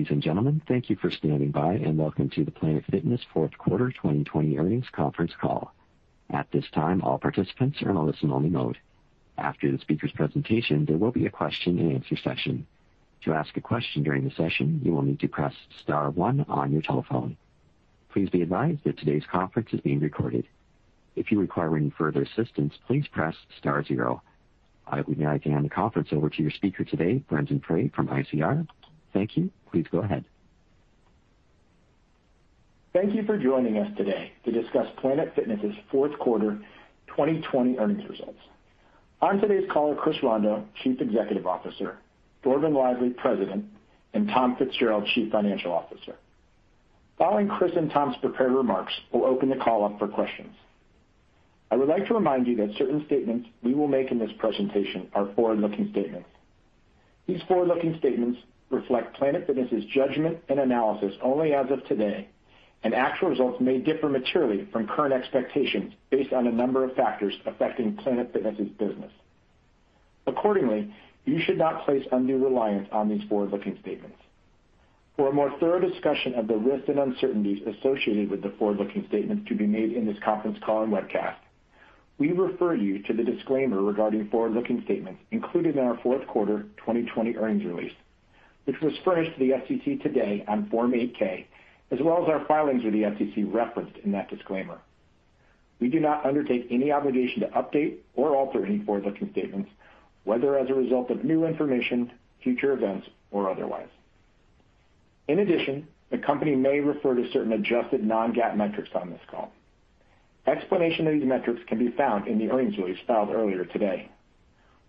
Ladies and gentlemen, thank you for standing by, and welcome to the Planet Fitness fourth quarter 2020 earnings conference call. At this time, all participants are in a listen-only mode. After the speaker's presentation, there will be a question and answer session. To ask a question during the session, you will need to press star one on your telephone. Please be advised that today's conference is being recorded. If you require any further assistance, please press star zero. I would now like to hand the conference over to your speaker today, Brendon Frey, from ICR. Thank you. Please go ahead. Thank you for joining us today to discuss Planet Fitness' fourth quarter 2020 earnings results. On today's call are Chris Rondeau, Chief Executive Officer, Dorvin Lively, President, and Tom Fitzgerald, Chief Financial Officer. Following Chris and Tom's prepared remarks, we'll open the call up for questions. I would like to remind you that certain statements we will make in this presentation are forward-looking statements. These forward-looking statements reflect Planet Fitness' judgment and analysis only as of today, and actual results may differ materially from current expectations based on a number of factors affecting Planet Fitness' business. Accordingly, you should not place undue reliance on these forward-looking statements. For a more thorough discussion of the risks and uncertainties associated with the forward-looking statements to be made in this conference call and webcast, we refer you to the disclaimer regarding forward-looking statements included in our fourth quarter 2020 earnings release, which was furnished to the SEC today on Form 8-K, as well as our filings with the SEC referenced in that disclaimer. We do not undertake any obligation to update or alter any forward-looking statements, whether as a result of new information, future events, or otherwise. In addition, the company may refer to certain adjusted non-GAAP metrics on this call. Explanation of these metrics can be found in the earnings release filed earlier today.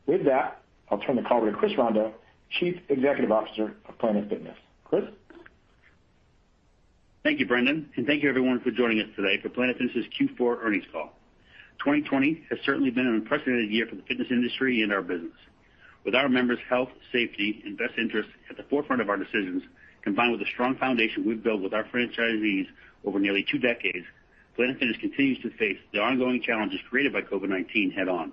With that, I'll turn the call over to Chris Rondeau, Chief Executive Officer of Planet Fitness. Chris? Thank you, Brendon, and thank you everyone for joining us today for Planet Fitness' Q4 earnings call. 2020 has certainly been an unprecedented year for the fitness industry and our business. With our members' health, safety, and best interests at the forefront of our decisions, combined with a strong foundation we've built with our franchisees over nearly two decades, Planet Fitness continues to face the ongoing challenges created by COVID-19 head-on.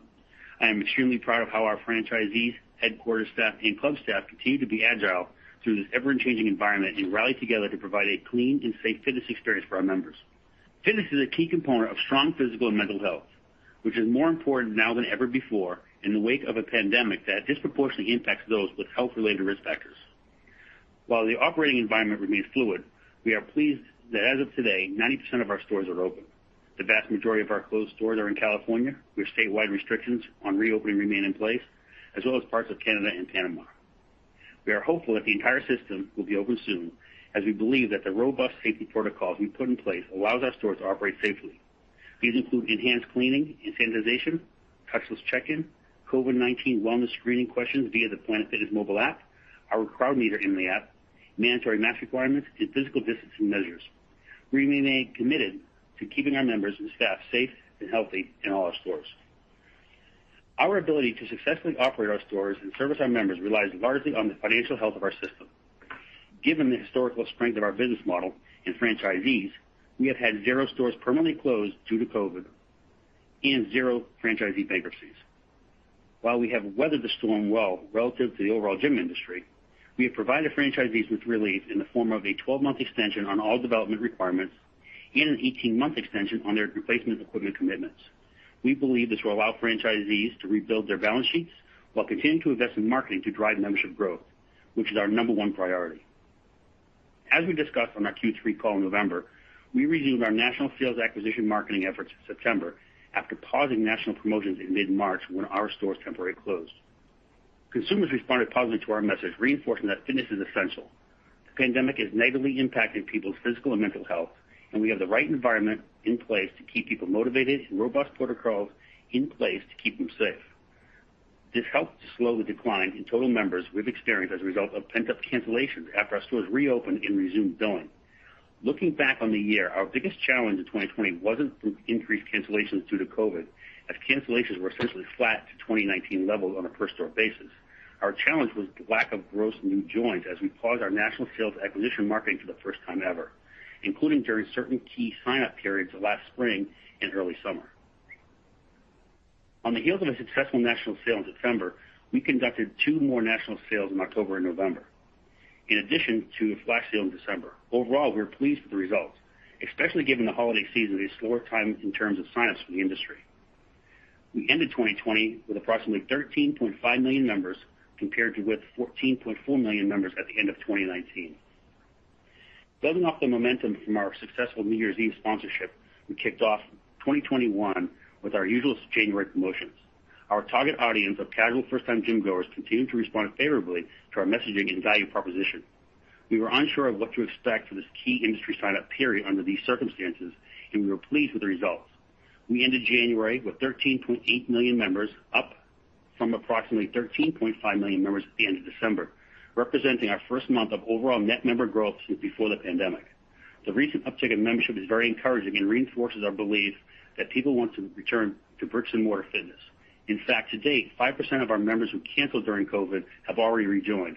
I am extremely proud of how our franchisees, headquarters staff, and club staff continue to be agile through this ever-changing environment and rally together to provide a clean and safe fitness experience for our members. Fitness is a key component of strong physical and mental health, which is more important now than ever before in the wake of a pandemic that disproportionately impacts those with health-related risk factors. While the operating environment remains fluid, we are pleased that as of today, 90% of our stores are open. The vast majority of our closed stores are in California, where statewide restrictions on reopening remain in place, as well as parts of Canada and Panama. We are hopeful that the entire system will be open soon, as we believe that the robust safety protocols we put in place allows our stores to operate safely. These include enhanced cleaning, sanitization, touchless check-in, COVID-19 wellness screening questions via the Planet Fitness Mobile App, our Crowd Meter in the app, mandatory mask requirements, and physical distancing measures. We remain committed to keeping our members and staff safe and healthy in all our stores. Our ability to successfully operate our stores and service our members relies largely on the financial health of our system. Given the historical strength of our business model and franchisees, we have had zero stores permanently closed due to COVID and zero franchisee bankruptcies. While we have weathered the storm well relative to the overall gym industry, we have provided franchisees with relief in the form of a 12-month extension on all development requirements and an 18-month extension on their replacement equipment commitments. We believe this will allow franchisees to rebuild their balance sheets while continuing to invest in marketing to drive membership growth, which is our number one priority. As we discussed on our Q3 call in November, we resumed our national sales acquisition marketing efforts in September after pausing national promotions in mid-March when our stores temporarily closed. Consumers responded positively to our message, reinforcing that fitness is essential. The pandemic is negatively impacting people's physical and mental health, and we have the right environment in place to keep people motivated and robust protocols in place to keep them safe. This helped to slow the decline in total members we've experienced as a result of pent-up cancellations after our stores reopened and resumed billing. Looking back on the year, our biggest challenge in 2020 wasn't from increased cancellations due to COVID, as cancellations were essentially flat to 2019 levels on a per store basis. Our challenge was lack of gross new joins as we paused our national sales acquisition marketing for the first time ever, including during certain key sign-up periods last spring and early summer. On the heels of a successful national sale in September, we conducted two more national sales in October and November, in addition to a flash sale in December. Overall, we are pleased with the results, especially given the holiday season is a slower time in terms of sign-ups for the industry. We ended 2020 with approximately 13.5 million members, compared to with 14.4 million members at the end of 2019. Building off the momentum from our successful New Year's Eve sponsorship, we kicked off 2021 with our usual January promotions. Our target audience of casual first-time gym-goers continued to respond favorably to our messaging and value proposition. We were unsure of what to expect for this key industry sign-up period under these circumstances, and we were pleased with the results. We ended January with 13.8 million members, up from approximately 13.5 million members at the end of December, representing our first month of overall net member growth since before the pandemic. The recent uptick in membership is very encouraging and reinforces our belief that people want to return to bricks-and-mortar fitness. To date, 5% of our members who canceled during COVID have already rejoined,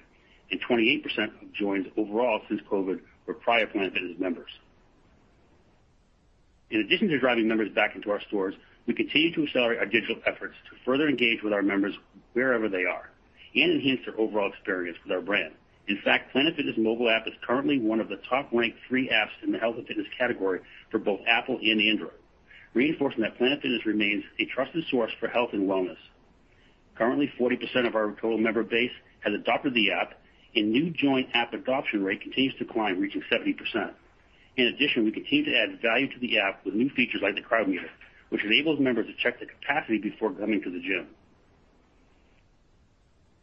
and 28% of joins overall since COVID were prior Planet Fitness members. In addition to driving members back into our stores, we continue to accelerate our digital efforts to further engage with our members wherever they are and enhance their overall experience with our brand. Planet Fitness' mobile app is currently one of the top-ranked three apps in the health and fitness category for both Apple and Android, reinforcing that Planet Fitness remains a trusted source for health and wellness. Currently, 40% of our total member base has adopted the app, and new join app adoption rate continues to climb, reaching 70%. In addition, we continue to add value to the app with new features like the Crowd Meter, which enables members to check the capacity before coming to the gym.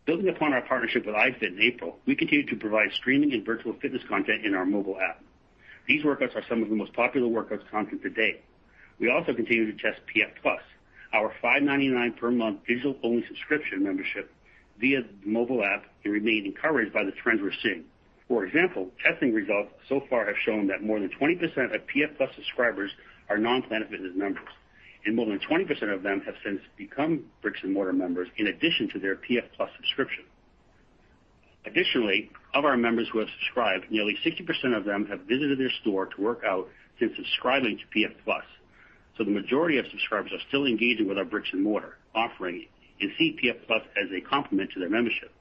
Building upon our partnership with iFIT in April, we continue to provide streaming and virtual fitness content in our mobile app. These workouts are some of the most popular workouts content to date. We also continue to test PF+, our $5.99 per month digital-only subscription membership via the mobile app and remain encouraged by the trends we're seeing. For example, testing results so far have shown that more than 20% of PF+ subscribers are non-Planet Fitness members, and more than 20% of them have since become bricks-and-mortar members in addition to their PF+ subscription. Additionally, of our members who have subscribed, nearly 60% of them have visited their store to work out since subscribing to PF+. The majority of subscribers are still engaging with our bricks-and-mortar offering and see PF+ as a complement to their membership.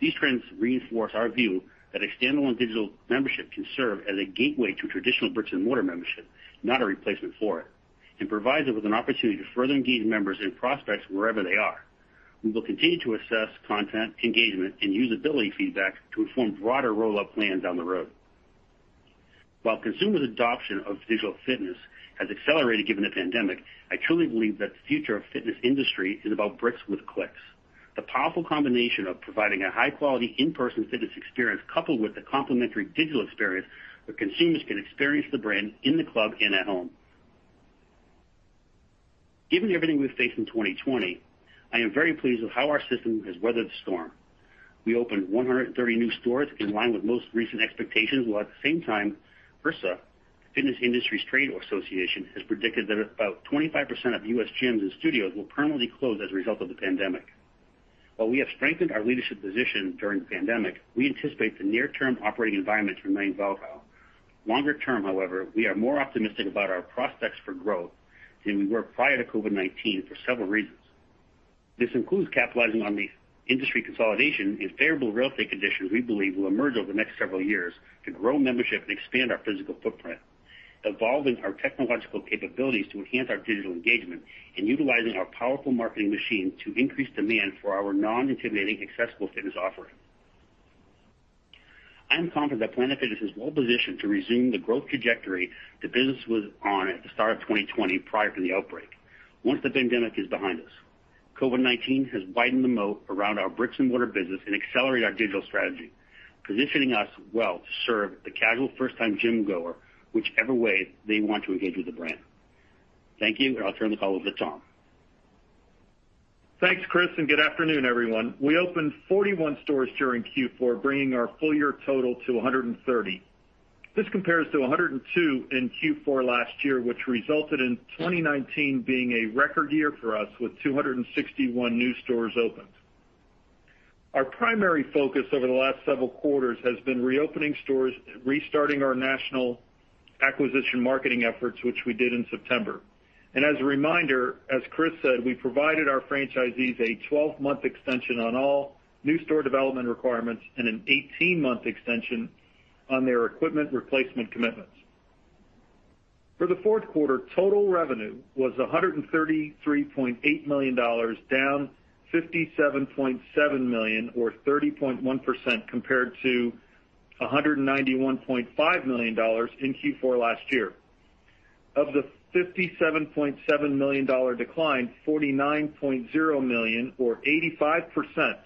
These trends reinforce our view that a standalone digital membership can serve as a gateway to a traditional bricks-and-mortar membership, not a replacement for it, and provides it with an opportunity to further engage members and prospects wherever they are. We will continue to assess content engagement and usability feedback to inform broader rollout plans down the road. While consumers' adoption of digital fitness has accelerated given the pandemic, I truly believe that the future of fitness industry is about bricks with clicks. The powerful combination of providing a high-quality in-person fitness experience, coupled with the complementary digital experience, where consumers can experience the brand in the club and at home. Given everything we've faced in 2020, I am very pleased with how our system has weathered the storm. We opened 130 new stores in line with most recent expectations, while at the same time, IHRSA, the fitness industry's trade association, has predicted that about 25% of U.S. gyms and studios will permanently close as a result of the pandemic. While we have strengthened our leadership position during the pandemic, we anticipate the near-term operating environment to remain volatile. Longer term, however, we are more optimistic about our prospects for growth than we were prior to COVID-19 for several reasons. This includes capitalizing on the industry consolidation and favorable real estate conditions we believe will emerge over the next several years to grow membership and expand our physical footprint, evolving our technological capabilities to enhance our digital engagement, and utilizing our powerful marketing machine to increase demand for our non-intimidating, accessible fitness offering. I am confident that Planet Fitness is well-positioned to resume the growth trajectory the business was on at the start of 2020 prior to the outbreak, once the pandemic is behind us. COVID-19 has widened the moat around our bricks-and-mortar business and accelerated our digital strategy, positioning us well to serve the casual first-time gym goer whichever way they want to engage with the brand. Thank you. I'll turn the call over to Tom. Thanks, Chris. Good afternoon, everyone. We opened 41 stores during Q4, bringing our full-year total to 130. This compares to 102 in Q4 last year, which resulted in 2019 being a record year for us with 261 new stores opened. Our primary focus over the last several quarters has been reopening stores and restarting our national acquisition marketing efforts, which we did in September. As a reminder, as Chris said, we provided our franchisees a 12-month extension on all new store development requirements and an 18-month extension on their equipment replacement commitments. For the fourth quarter, total revenue was $133.8 million, down $57.7 million or 30.1% compared to $191.5 million in Q4 last year. Of the $57.7 million decline, $49.0 million or 85%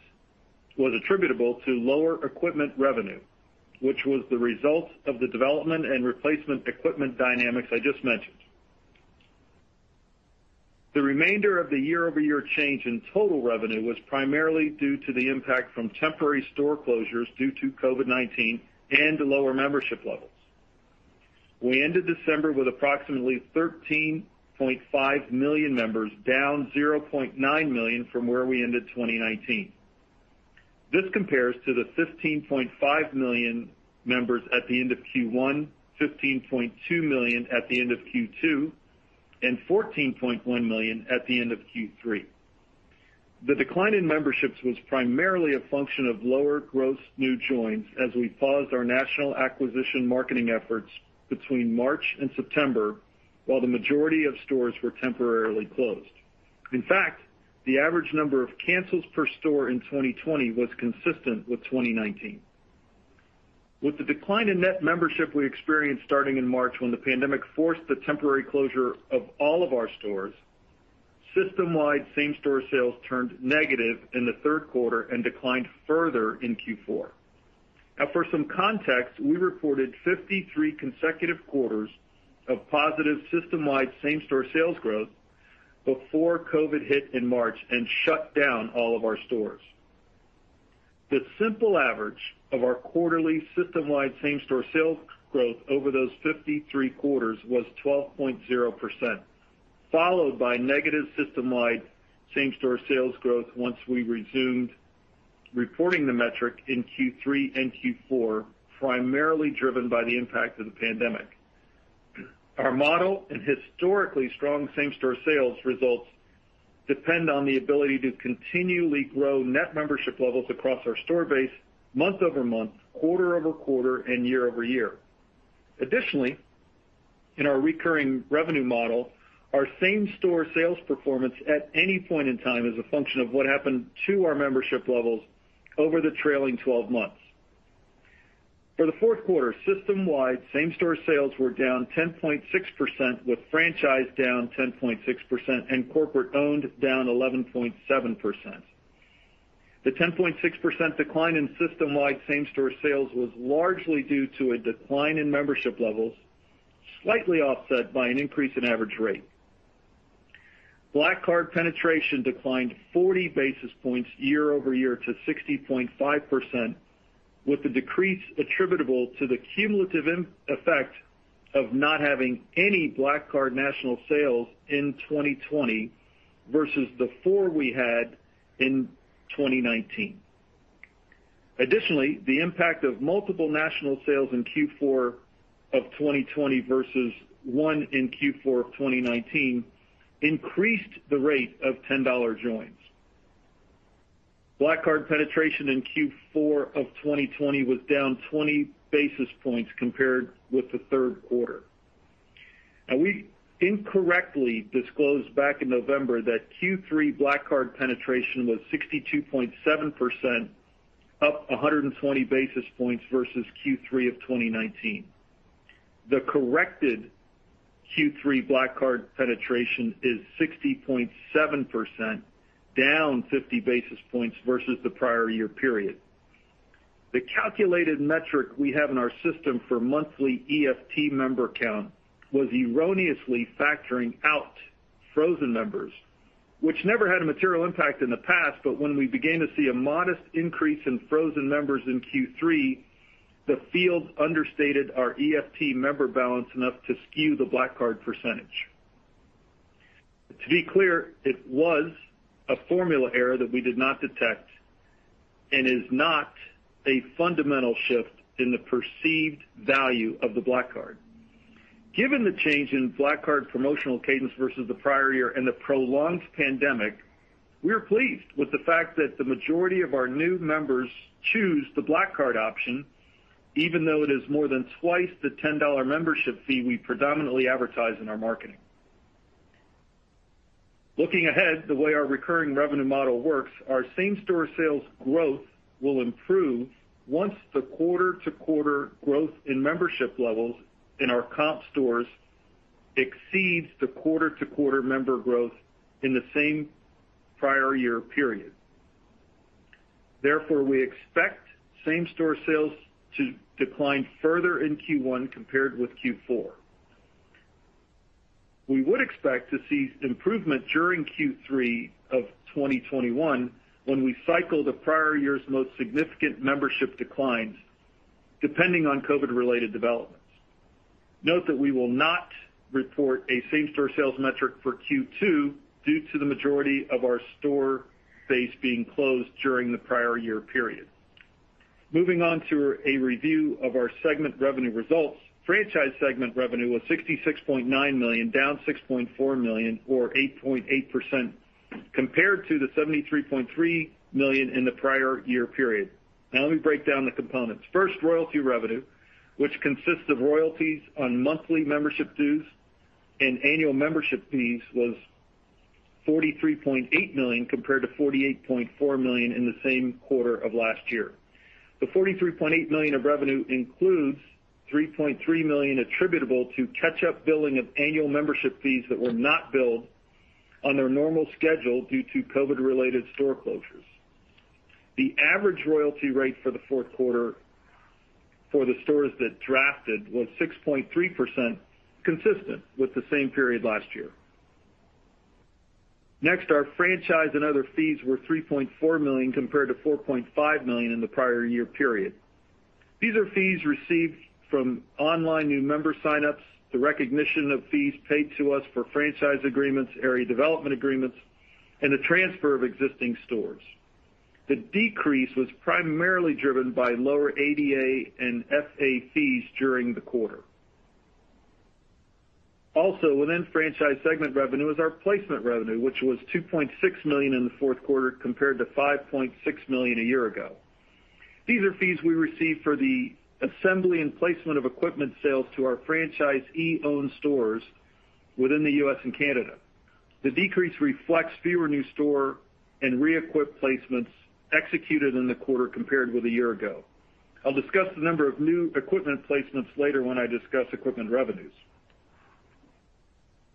was attributable to lower equipment revenue, which was the result of the development and replacement equipment dynamics I just mentioned. The remainder of the year-over-year change in total revenue was primarily due to the impact from temporary store closures due to COVID-19 and lower membership levels. We ended December with approximately 13.5 million members, down 0.9 million from where we ended 2019. This compares to the 15.5 million members at the end of Q1, 15.2 million at the end of Q2, and 14.1 million at the end of Q3. The decline in memberships was primarily a function of lower gross new joins as we paused our national acquisition marketing efforts between March and September while the majority of stores were temporarily closed. In fact, the average number of cancels per store in 2020 was consistent with 2019. With the decline in net membership we experienced starting in March when the pandemic forced the temporary closure of all of our stores, system-wide same-store sales turned negative in the third quarter and declined further in Q4. Now for some context, we reported 53 consecutive quarters of positive system-wide same-store sales growth before COVID hit in March and shut down all of our stores. The simple average of our quarterly system-wide same-store sales growth over those 53 quarters was 12.0%, followed by negative system-wide same-store sales growth once we resumed reporting the metric in Q3 and Q4, primarily driven by the impact of the pandemic. Our model and historically strong same-store sales results depend on the ability to continually grow net membership levels across our store base month-over-month, quarter-over-quarter, and year-over-year. Additionally, in our recurring revenue model, our same-store sales performance at any point in time is a function of what happened to our membership levels over the trailing 12 months. For the fourth quarter, system-wide same-store sales were down 10.6%, with franchise down 10.6% and corporate-owned down 11.7%. The 10.6% decline in system-wide same-store sales was largely due to a decline in membership levels, slightly offset by an increase in average rate. Black Card penetration declined 40 basis points year-over-year to 60.5%, with the decrease attributable to the cumulative effect of not having any Black Card national sales in 2020 versus the four we had in 2019. Additionally, the impact of multiple national sales in Q4 of 2020 versus one in Q4 of 2019 increased the rate of $10 joins. Black Card penetration in Q4 of 2020 was down 20 basis points compared with the third quarter. Now, we incorrectly disclosed back in November that Q3 Black Card penetration was 62.7%, up 120 basis points versus Q3 of 2019. The corrected Q3 Black Card penetration is 60.7%, down 50 basis points versus the prior year period. The calculated metric we have in our system for monthly EFT member count was erroneously factoring out frozen members, which never had a material impact in the past, but when we began to see a modest increase in frozen members in Q3, the field understated our EFT member balance enough to skew the Black Card percentage. To be clear, it was a formula error that we did not detect and is not a fundamental shift in the perceived value of the Black Card. Given the change in Black Card promotional cadence versus the prior year and the prolonged pandemic, we are pleased with the fact that the majority of our new members choose the Black Card option, even though it is more than 2x the $10 membership fee we predominantly advertise in our marketing. Looking ahead, the way our recurring revenue model works, our same-store sales growth will improve once the quarter-to-quarter growth in membership levels in our comp stores exceeds the quarter-to-quarter member growth in the same prior year period. Therefore, we expect same-store sales to decline further in Q1 compared with Q4. We would expect to see improvement during Q3 of 2021 when we cycle the prior year's most significant membership declines, depending on COVID-related developments. Note that we will not report a same-store sales metric for Q2 due to the majority of our store base being closed during the prior year period. Moving on to a review of our segment revenue results. Franchise segment revenue was $66.9 million, down $6.4 million or 8.8% compared to the $73.3 million in the prior year period. Now let me break down the components. First, royalty revenue, which consists of royalties on monthly membership dues and annual membership fees, was $43.8 million compared to $48.4 million in the same quarter of last year. The $43.8 million of revenue includes $3.3 million attributable to catch-up billing of annual membership fees that were not billed on their normal schedule due to COVID-related store closures. The average royalty rate for the fourth quarter for the stores that drafted was 6.3%, consistent with the same period last year. Next, our franchise and other fees were $3.4 million compared to $4.5 million in the prior year period. These are fees received from online new member sign-ups, the recognition of fees paid to us for franchise agreements, area development agreements, and the transfer of existing stores. The decrease was primarily driven by lower ADA and FA fees during the quarter. Also within franchise segment revenue is our placement revenue, which was $2.6 million in the fourth quarter compared to $5.6 million a year ago. These are fees we receive for the assembly and placement of equipment sales to our franchisee-owned stores within the U.S. and Canada. The decrease reflects fewer new store and re-equip placements executed in the quarter compared with a year ago. I'll discuss the number of new equipment placements later when I discuss equipment revenues.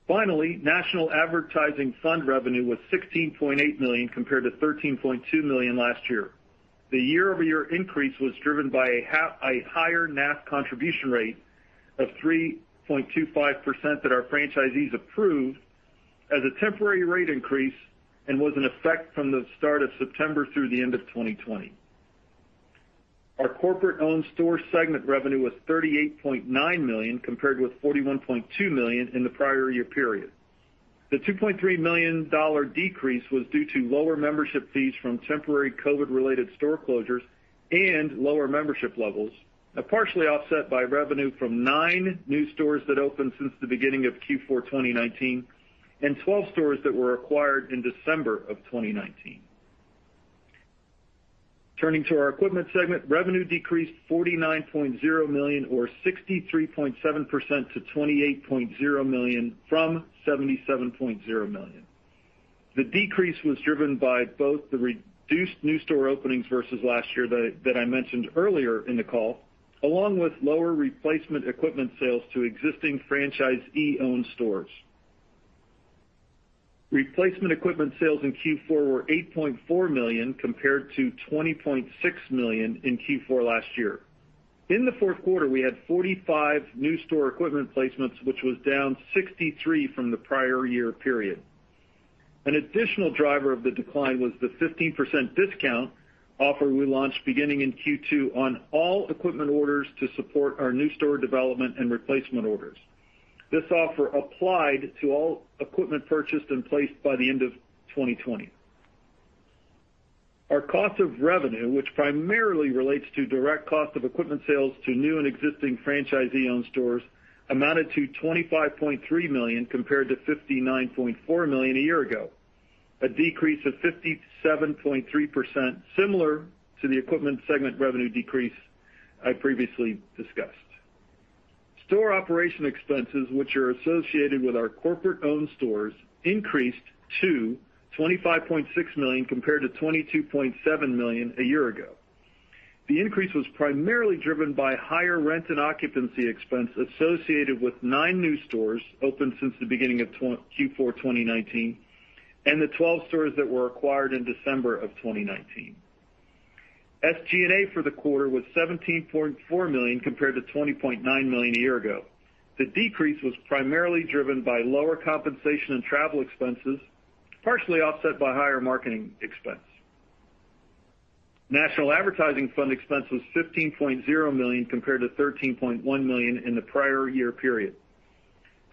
Finally, National Advertising Fund revenue was $16.8 million compared to $13.2 million last year. The year-over-year increase was driven by a higher NAF contribution rate of 3.25% that our franchisees approved as a temporary rate increase and was in effect from the start of September through the end of 2020. Our corporate-owned store segment revenue was $38.9 million, compared with $41.2 million in the prior year period. The $2.3 million decrease was due to lower membership fees from temporary COVID-19 related store closures and lower membership levels, partially offset by revenue from nine new stores that opened since the beginning of Q4 2019 and 12 stores that were acquired in December of 2019. Turning to our equipment segment, revenue decreased $49.0 million or 63.7% to $28.0 million from $77.0 million. The decrease was driven by both the reduced new store openings versus last year that I mentioned earlier in the call, along with lower replacement equipment sales to existing franchisee-owned stores. Replacement equipment sales in Q4 were $8.4 million compared to $20.6 million in Q4 last year. In the fourth quarter, we had 45 new store equipment placements, which was down 63 from the prior year period. An additional driver of the decline was the 15% discount offer we launched beginning in Q2 on all equipment orders to support our new store development and replacement orders. This offer applied to all equipment purchased and placed by the end of 2020. Our cost of revenue, which primarily relates to direct cost of equipment sales to new and existing franchisee-owned stores, amounted to $25.3 million compared to $59.4 million a year ago. A decrease of 57.3%, similar to the equipment segment revenue decrease I previously discussed. Store operation expenses, which are associated with our corporate-owned stores, increased to $25.6 million compared to $22.7 million a year ago. The increase was primarily driven by higher rent and occupancy expense associated with nine new stores opened since the beginning of Q4 2019 and the 12 stores that were acquired in December of 2019. SG&A for the quarter was $17.4 million compared to $20.9 million a year ago. The decrease was primarily driven by lower compensation and travel expenses, partially offset by higher marketing expense. National advertising fund expense was $15.0 million compared to $13.1 million in the prior year period.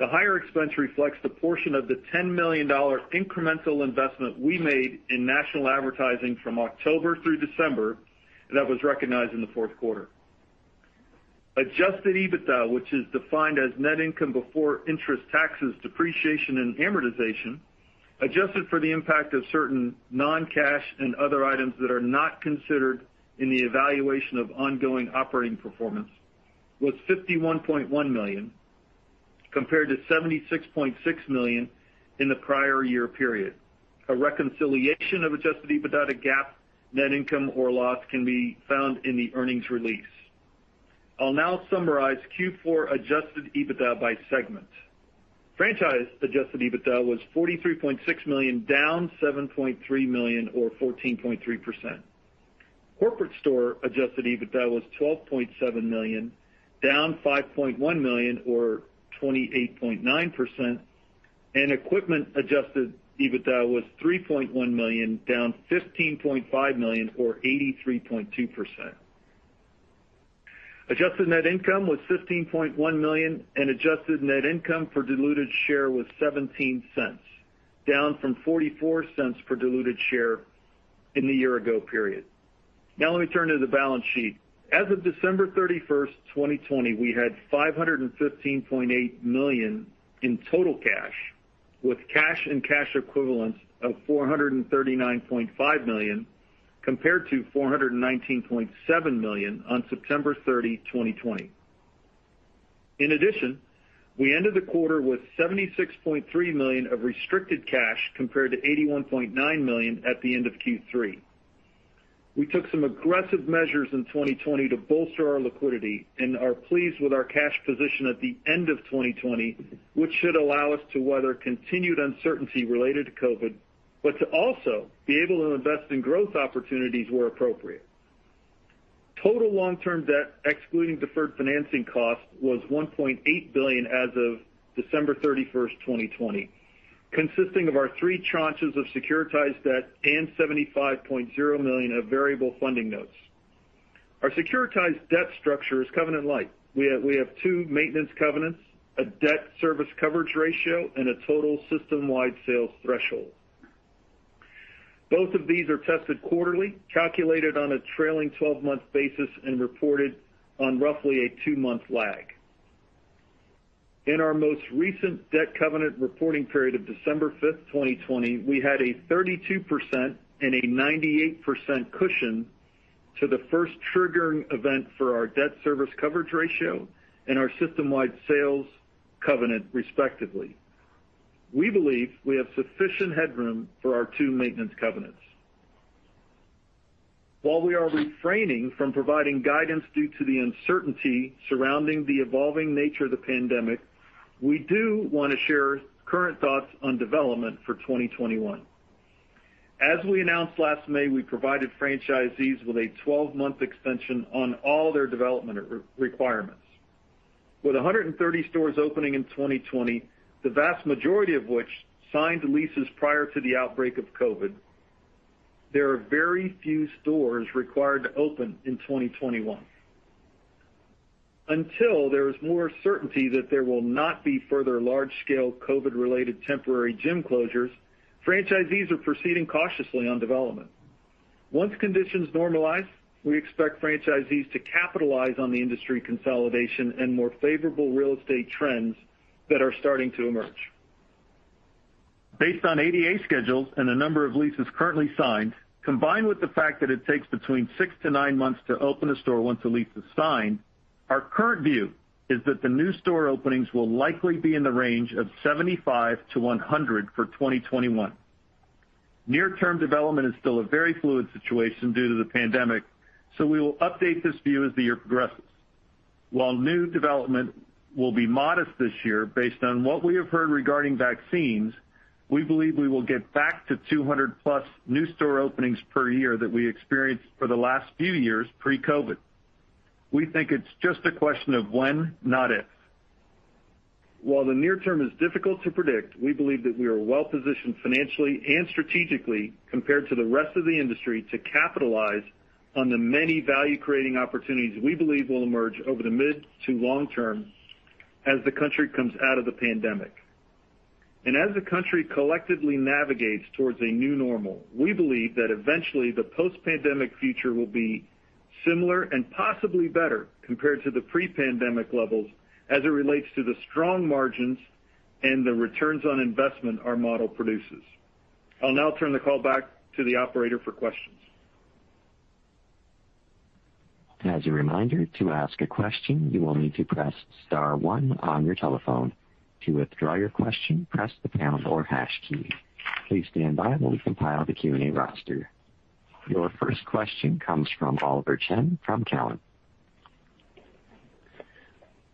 The higher expense reflects the portion of the $10 million incremental investment we made in national advertising from October through December that was recognized in the fourth quarter. Adjusted EBITDA, which is defined as net income before interest, taxes, depreciation, and amortization, adjusted for the impact of certain non-cash and other items that are not considered in the evaluation of ongoing operating performance, was $51.1 million compared to $76.6 million in the prior year period. A reconciliation of adjusted EBITDA to GAAP net income or loss can be found in the earnings release. I'll now summarize Q4 adjusted EBITDA by segment. Franchise adjusted EBITDA was $43.6 million, down $7.3 million or 14.3%. Corporate store adjusted EBITDA was $12.7 million, down $5.1 million or 28.9%, and equipment adjusted EBITDA was $3.1 million, down $15.5 million or 83.2%. Adjusted net income was $15.1 million, and adjusted net income per diluted share was $0.17, down from $0.44 per diluted share in the year ago period. Let me turn to the balance sheet. As of December 31st, 2020, we had $515.8 million in total cash, with cash and cash equivalents of $439.5 million, compared to $419.7 million on September 30, 2020. In addition, we ended the quarter with $76.3 million of restricted cash compared to $81.9 million at the end of Q3. We took some aggressive measures in 2020 to bolster our liquidity and are pleased with our cash position at the end of 2020, which should allow us to weather continued uncertainty related to COVID, but to also be able to invest in growth opportunities where appropriate. Total long-term debt, excluding deferred financing costs, was $1.8 billion as of December 31st, 2020, consisting of our three tranches of securitized debt and $75.0 million of variable funding notes. Our securitized debt structure is covenant light. We have two maintenance covenants, a debt service coverage ratio, and a total system-wide sales threshold. Both of these are tested quarterly, calculated on a trailing 12-month basis, and reported on roughly a two-month lag. In our most recent debt covenant reporting period of December 5th, 2020, we had a 32% and a 98% cushion to the first triggering event for our debt service coverage ratio and our system-wide sales covenant, respectively. We believe we have sufficient headroom for our two maintenance covenants. While we are refraining from providing guidance due to the uncertainty surrounding the evolving nature of the pandemic, we do want to share current thoughts on development for 2021. As we announced last May, we provided franchisees with a 12-month extension on all their development requirements. With 130 stores opening in 2020, the vast majority of which signed leases prior to the outbreak of COVID-19, there are very few stores required to open in 2021. Until there is more certainty that there will not be further large-scale COVID-related temporary gym closures, franchisees are proceeding cautiously on development. Once conditions normalize, we expect franchisees to capitalize on the industry consolidation and more favorable real estate trends that are starting to emerge. Based on ADA schedules and the number of leases currently signed, combined with the fact that it takes between six to nine months to open a store once a lease is signed, our current view is that the new store openings will likely be in the range of 75-100 for 2021. Near-term development is still a very fluid situation due to the pandemic, so we will update this view as the year progresses. While new development will be modest this year, based on what we have heard regarding vaccines, we believe we will get back to 200+ new store openings per year that we experienced for the last few years pre-COVID. We think it's just a question of when, not if. While the near term is difficult to predict, we believe that we are well-positioned financially and strategically, compared to the rest of the industry, to capitalize on the many value-creating opportunities we believe will emerge over the mid to long term as the country comes out of the pandemic. As the country collectively navigates towards a new normal, we believe that eventually the post-pandemic future will be similar and possibly better compared to the pre-pandemic levels as it relates to the strong margins and the returns on investment our model produces. I'll now turn the call back to the operator for questions. As a reminder, to ask a question, you will need to press star one on your telephone. To withdraw your question, press the pound or hash key. Please stand by while we compile the Q&A roster. Your first question comes from Oliver Chen from Cowen.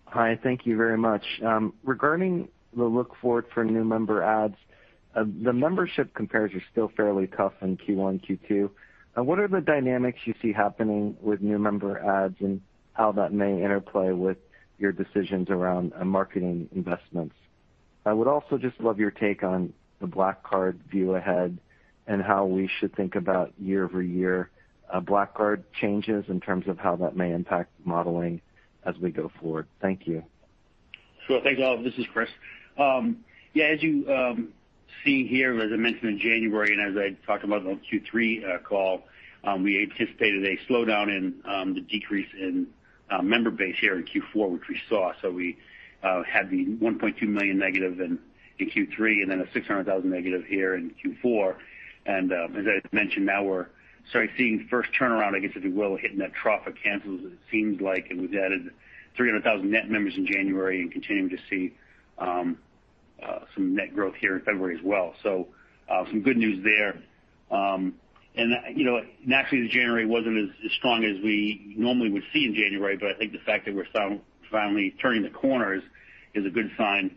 Hi. Thank you very much. Regarding the look-forward for new member adds, the membership compares are still fairly tough in Q1, Q2. What are the dynamics you see happening with new member adds and how that may interplay with your decisions around marketing investments? I would also just love your take on the Black Card view ahead and how we should think about year-over-year Black Card changes in terms of how that may impact modeling as we go forward. Thank you. Sure. Thanks, Oliver. This is Chris. As you see here, as I mentioned in January and as I talked about on Q3 call, we anticipated a slowdown in the decrease in member base here in Q4, which we saw. We had the 1.2 million negative in Q3 and then a 600,000 negative here in Q4. As I mentioned, now we're starting to see the first turnaround, I guess, if you will, hitting that trough of cancels, it seems like. We've added 300,000 net members in January and continuing to see some net growth here in February as well. Some good news there. Naturally, January wasn't as strong as we normally would see in January, but I think the fact that we're finally turning the corners is a good sign.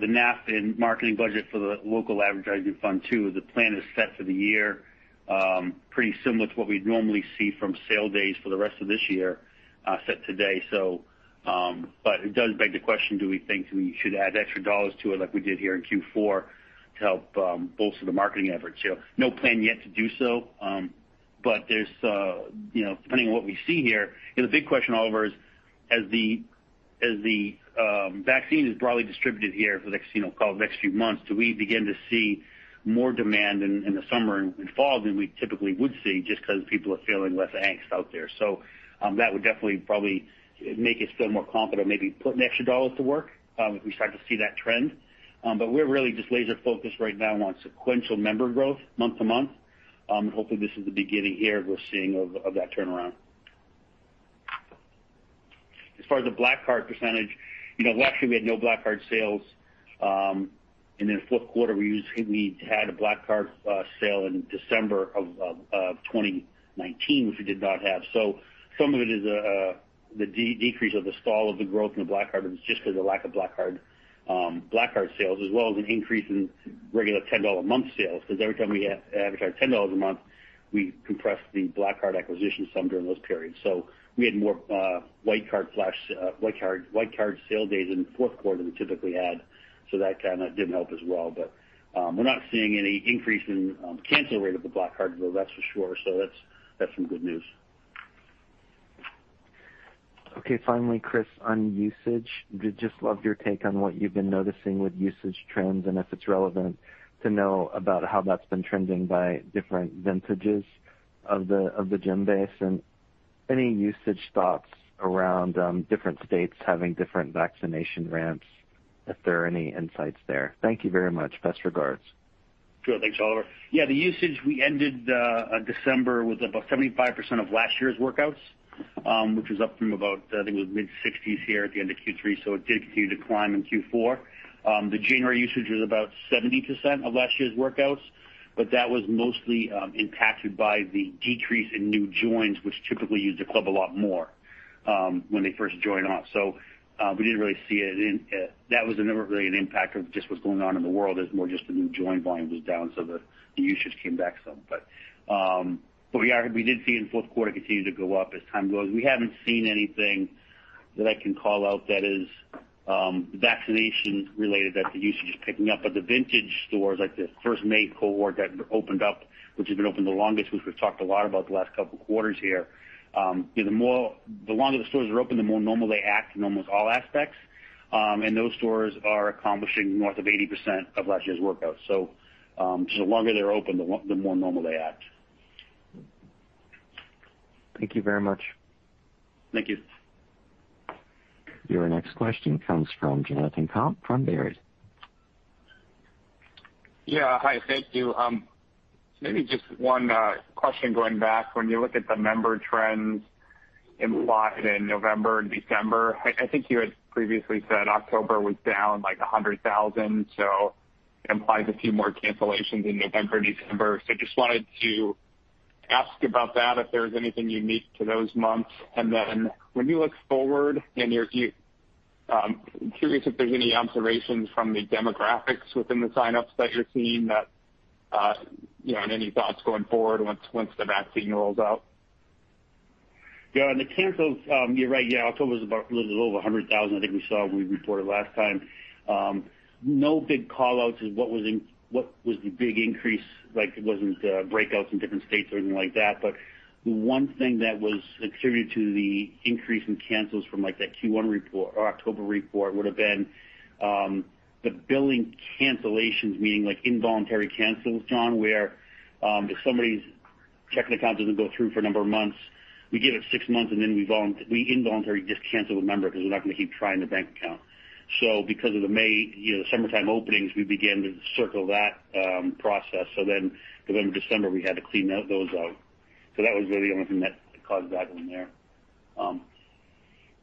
The NAF and marketing budget for the local advertising fund too, the plan is set for the year, pretty similar to what we'd normally see from sale days for the rest of this year set today. It does beg the question, do we think we should add extra dollars to it like we did here in Q4 to help bolster the marketing efforts? No plan yet to do so. Depending on what we see here, the big question, Oliver, is as the vaccine is broadly distributed here for the next few months, do we begin to see more demand in the summer and fall than we typically would see just because people are feeling less angst out there? That would definitely probably make us feel more confident, maybe put extra dollars to work, if we start to see that trend. We're really just laser-focused right now on sequential member growth month-to-month. Hopefully, this is the beginning here we're seeing of that turnaround. As far as the Black Card percentage, last year we had no Black Card sales. Then fourth quarter, we had a Black Card sale in December of 2019, which we did not have. Some of it is the decrease or the stall of the growth in the Black Card was just because of the lack of Black Card sales, as well as an increase in regular $10 a month sales. Because every time we advertise $10 a month, we compress the Black Card acquisition some during those periods. We had more White Card sale days in the fourth quarter than we typically had. That kind of didn't help as well. We're not seeing any increase in cancel rate of the Black Card, though, that's for sure. That's some good news. Finally, Chris, on usage, would just love your take on what you've been noticing with usage trends and if it's relevant to know about how that's been trending by different vintages of the gym base. Any usage thoughts around different states having different vaccination ramps, if there are any insights there. Thank you very much. Best regards. Sure. Thanks, Oliver. The usage, we ended December with about 75% of last year's workouts, which was up from about, I think it was mid-60s here at the end of Q3, so it did continue to climb in Q4. The January usage was about 70% of last year's workouts, but that was mostly impacted by the decrease in new joins, which typically use the club a lot more when they first join on. We didn't really see it. That was never really an impact of just what's going on in the world, as more just the new join volume was down, so the usage came back some. We did see in the fourth quarter continue to go up as time goes. We haven't seen anything that I can call out that is vaccination-related that the usage is picking up. The vintage stores, like the first May cohort that opened up, which has been open the longest, which we've talked a lot about the last couple of quarters here. The longer the stores are open, the more normal they act in almost all aspects. Those stores are accomplishing north of 80% of last year's workouts. The longer they're open, the more normal they act. Thank you very much. Thank you. Your next question comes from Jonathan Komp from Baird. Hi, thank you. Maybe just one question going back. When you look at the member trends implied in November and December, I think you had previously said October was down like 100,000, so implies a few more cancellations in November and December if there is anything unique to those months and when you look forward in your view, curious if there's any observations from the demographics within the sign-ups that you're seeing that, and any thoughts going forward once the vaccine rolls out? On the cancels, you're right. October was about a little over 100,000, I think we saw, we reported last time. No big call-outs of what was the big increase. It wasn't breakouts in different states or anything like that. One thing that was attributed to the increase in cancels from that Q1 report or October report would have been the billing cancellations, meaning like involuntary cancels, Jon, where if somebody's checking account doesn't go through for a number of months, we give it six months and then we involuntarily just cancel the member because we're not going to keep trying the bank account. Because of the May, the summertime openings, we began to circle that process. November, December, we had to clean those out. That was really the only thing that caused that one there. As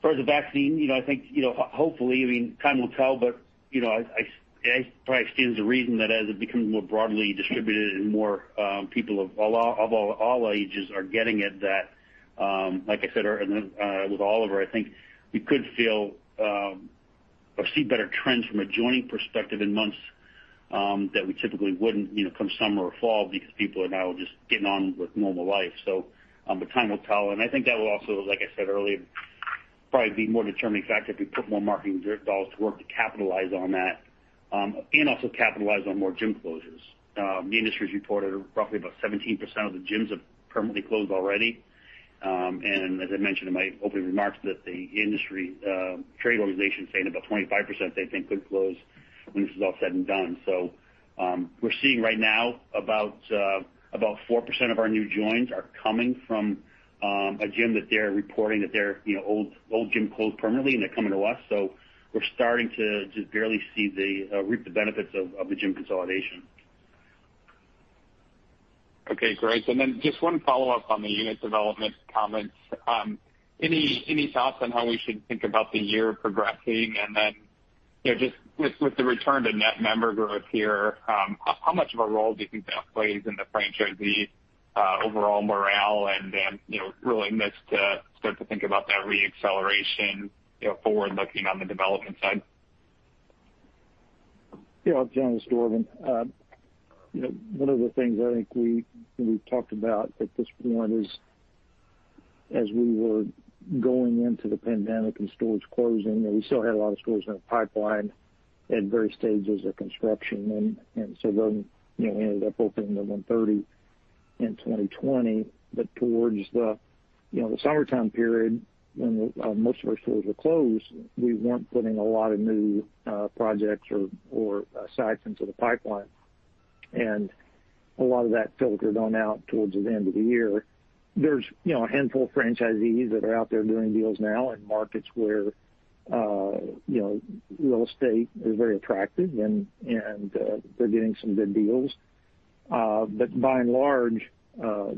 far as the vaccine, I think hopefully, time will tell, but I probably stand to reason that as it becomes more broadly distributed and more people of all ages are getting it, that like I said earlier with Oliver, I think we could feel or see better trends from a joining perspective in months that we typically wouldn't come summer or fall because people are now just getting on with normal life. But time will tell, and I think that will also, like I said earlier, probably be more determining factor if we put more marketing dollars to work to capitalize on that, and also capitalize on more gym closures. The industry's reported roughly about 17% of the gyms have permanently closed already. As I mentioned in my opening remarks, that the industry trade organization saying about 25% they think could close when this is all said and done. We're seeing right now about 4% of our new joins are coming from a gym that they're reporting that their old gym closed permanently, and they're coming to us. We're starting to just barely reap the benefits of the gym consolidation. Okay, great. Just one follow-up on the unit development comments. Any thoughts on how we should think about the year progressing? Just with the return to net member growth here, how much of a role do you think that plays in the franchisee overall morale and willingness to start to think about that re-acceleration forward looking on the development side? Yeah. Jon, it's Dorvin. One of the things I think we talked about at this point is as we were going into the pandemic and stores closing, we still had a lot of stores in our pipeline at various stages of construction. We ended up opening the 130 in 2020. Towards the summertime period when most of our stores were closed, we weren't putting a lot of new projects or sites into the pipeline. A lot of that filtered on out towards the end of the year. There's a handful of franchisees that are out there doing deals now in markets where real estate is very attractive and they're getting some good deals. By and large, a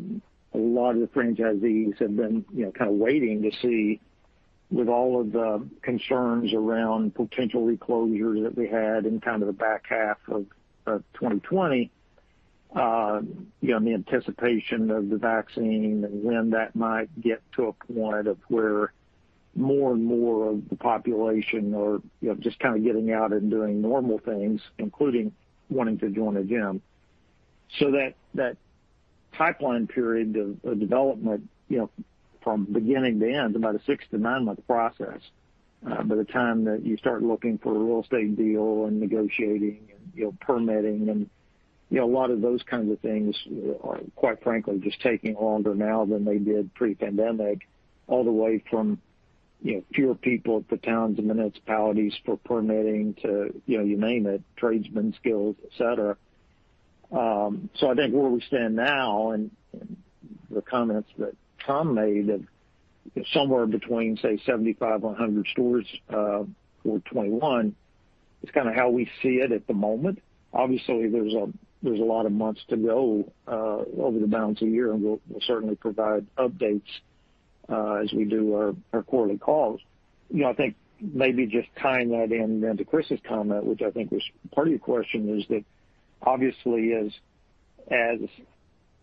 lot of the franchisees have been kind of waiting to see with all of the concerns around potential reclosures that we had in kind of the back half of 2020. The anticipation of the vaccine and when that might get to a point of where more and more of the population are just kind of getting out and doing normal things, including wanting to join a gym. That pipeline period of development from beginning to end is about a six to nine-month process. By the time that you start looking for a real estate deal and negotiating and permitting and a lot of those kinds of things are, quite frankly, just taking longer now than they did pre-pandemic, all the way from fewer people at the towns and municipalities for permitting to you name it, tradesman skills, et cetera. I think where we stand now and the comments that Tom made of somewhere between, say, 75 and 100 stores for 2021 is kind of how we see it at the moment. Obviously, there's a lot of months to go over the balance of the year, and we'll certainly provide updates as we do our quarterly calls. I think maybe just tying that in then to Chris's comment, which I think was part of your question, is that obviously as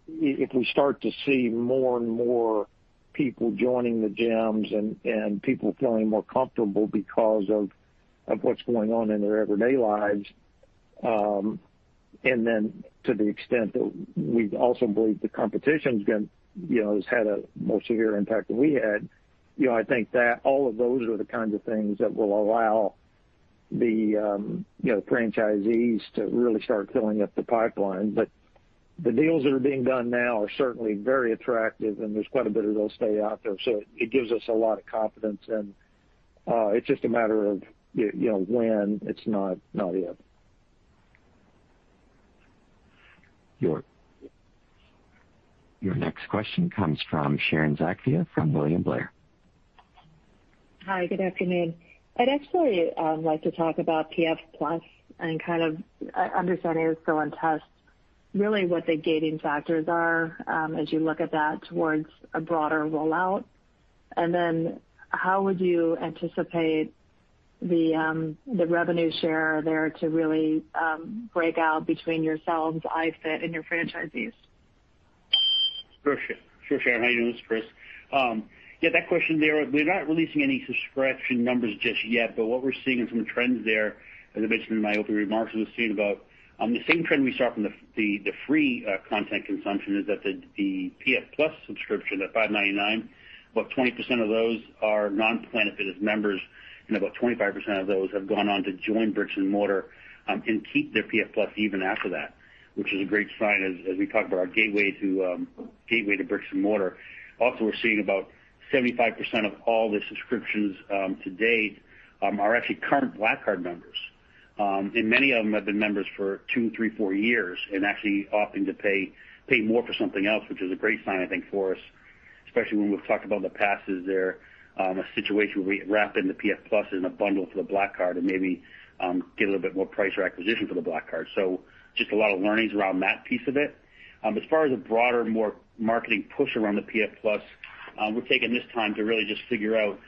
if we start to see more and more people joining the gyms and people feeling more comfortable because of what's going on in their everyday lives, to the extent that we also believe the competition has had a more severe impact than we had, I think that all of those are the kinds of things that will allow the franchisees to really start filling up the pipeline. The deals that are being done now are certainly very attractive and there's quite a bit of those stay out there. It gives us a lot of confidence and it's just a matter of when, it's not if. Your next question comes from Sharon Zackfia from William Blair. Hi, good afternoon. I'd actually like to talk about PF+ and kind of understanding as someone tests really what the gating factors are as you look at that towards a broader rollout. How would you anticipate the revenue share there to really break out between yourselves, iFIT, and your franchisees? Sure, Sharon. How you doing? This is Chris. That question there, we're not releasing any subscription numbers just yet. What we're seeing in some trends there, as I mentioned in my opening remarks, we're seeing about the same trend we saw from the free content consumption is that the PF+ subscription at $5.99, about 20% of those are non-Planet Fitness members, and about 25% of those have gone on to join bricks-and-mortar and keep their PF+ even after that, which is a great sign as we talk about our gateway to bricks-and-mortar. We're seeing about 75% of all the subscriptions to date are actually current Black Card members. Many of them have been members for two, three, four years and actually opting to pay more for something else, which is a great sign, I think, for us, especially when we've talked about the passes there, a situation where we wrap in the PF+ in a bundle for the Black Card and maybe get a little bit more price or acquisition for the Black Card. Just a lot of learnings around that piece of it. As far as a broader, more marketing push around the PF+, we're taking this time to really just figure out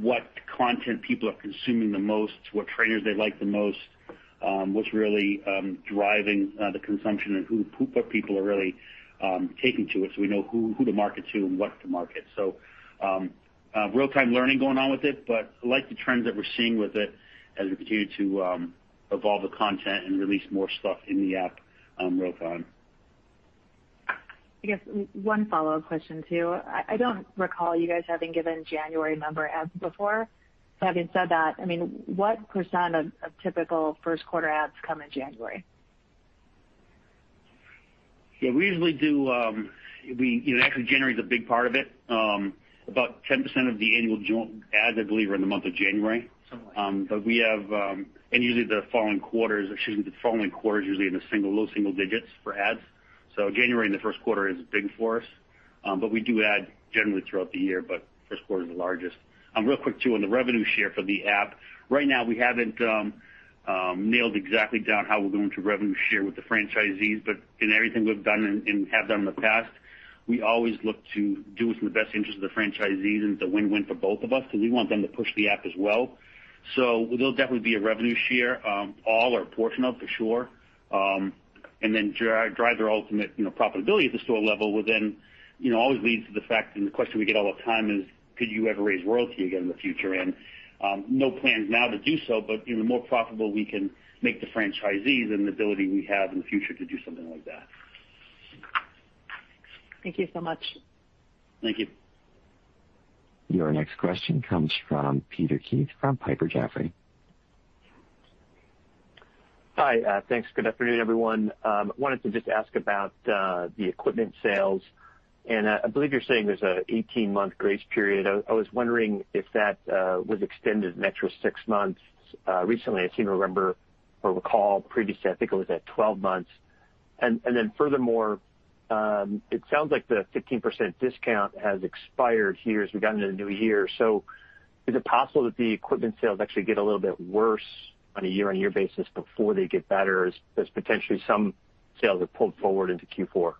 what content people are consuming the most, what trainers they like the most, what's really driving the consumption and what people are really taking to it so we know who to market to and what to market. Real-time learning going on with it, but I like the trends that we're seeing with it as we continue to evolve the content and release more stuff in the app real-time. I guess one follow-up question, too. I don't recall you guys having given January member adds before. Having said that, what percent of typical first quarter adds come in January? Yeah, actually January is a big part of it. About 10% of the annual adds, I believe, are in the month of January. Something like that. Usually the following quarter is usually in the low single digits for adds. January and the first quarter is big for us. We do add generally throughout the year, but first quarter is the largest. Real quick too, on the revenue share for the app. Right now, we haven't nailed exactly down how we're going to revenue share with the franchisees, but in everything we've done and have done in the past, we always look to do what's in the best interest of the franchisees and it's a win-win for both of us because we want them to push the app as well. There'll definitely be a revenue share, all or a portion of, for sure. Drive their ultimate profitability at the store level will then always leads to the fact and the question we get all the time is, could you ever raise royalty again in the future? No plans now to do so, but the more profitable we can make the franchisees and the ability we have in the future to do something like that. Thank you so much. Thank you. Your next question comes from Peter Keith from Piper Sandler. Hi. Thanks. Good afternoon, everyone. Wanted to just ask about the equipment sales. I believe you're saying there's an 18-month grace period. I was wondering if that was extended an extra six months recently. I seem to remember or recall previously, I think it was at 12 months. Furthermore, it sounds like the 15% discount has expired here as we got into the new year. Is it possible that the equipment sales actually get a little bit worse on a year-on-year basis before they get better as potentially some sales are pulled forward into Q4?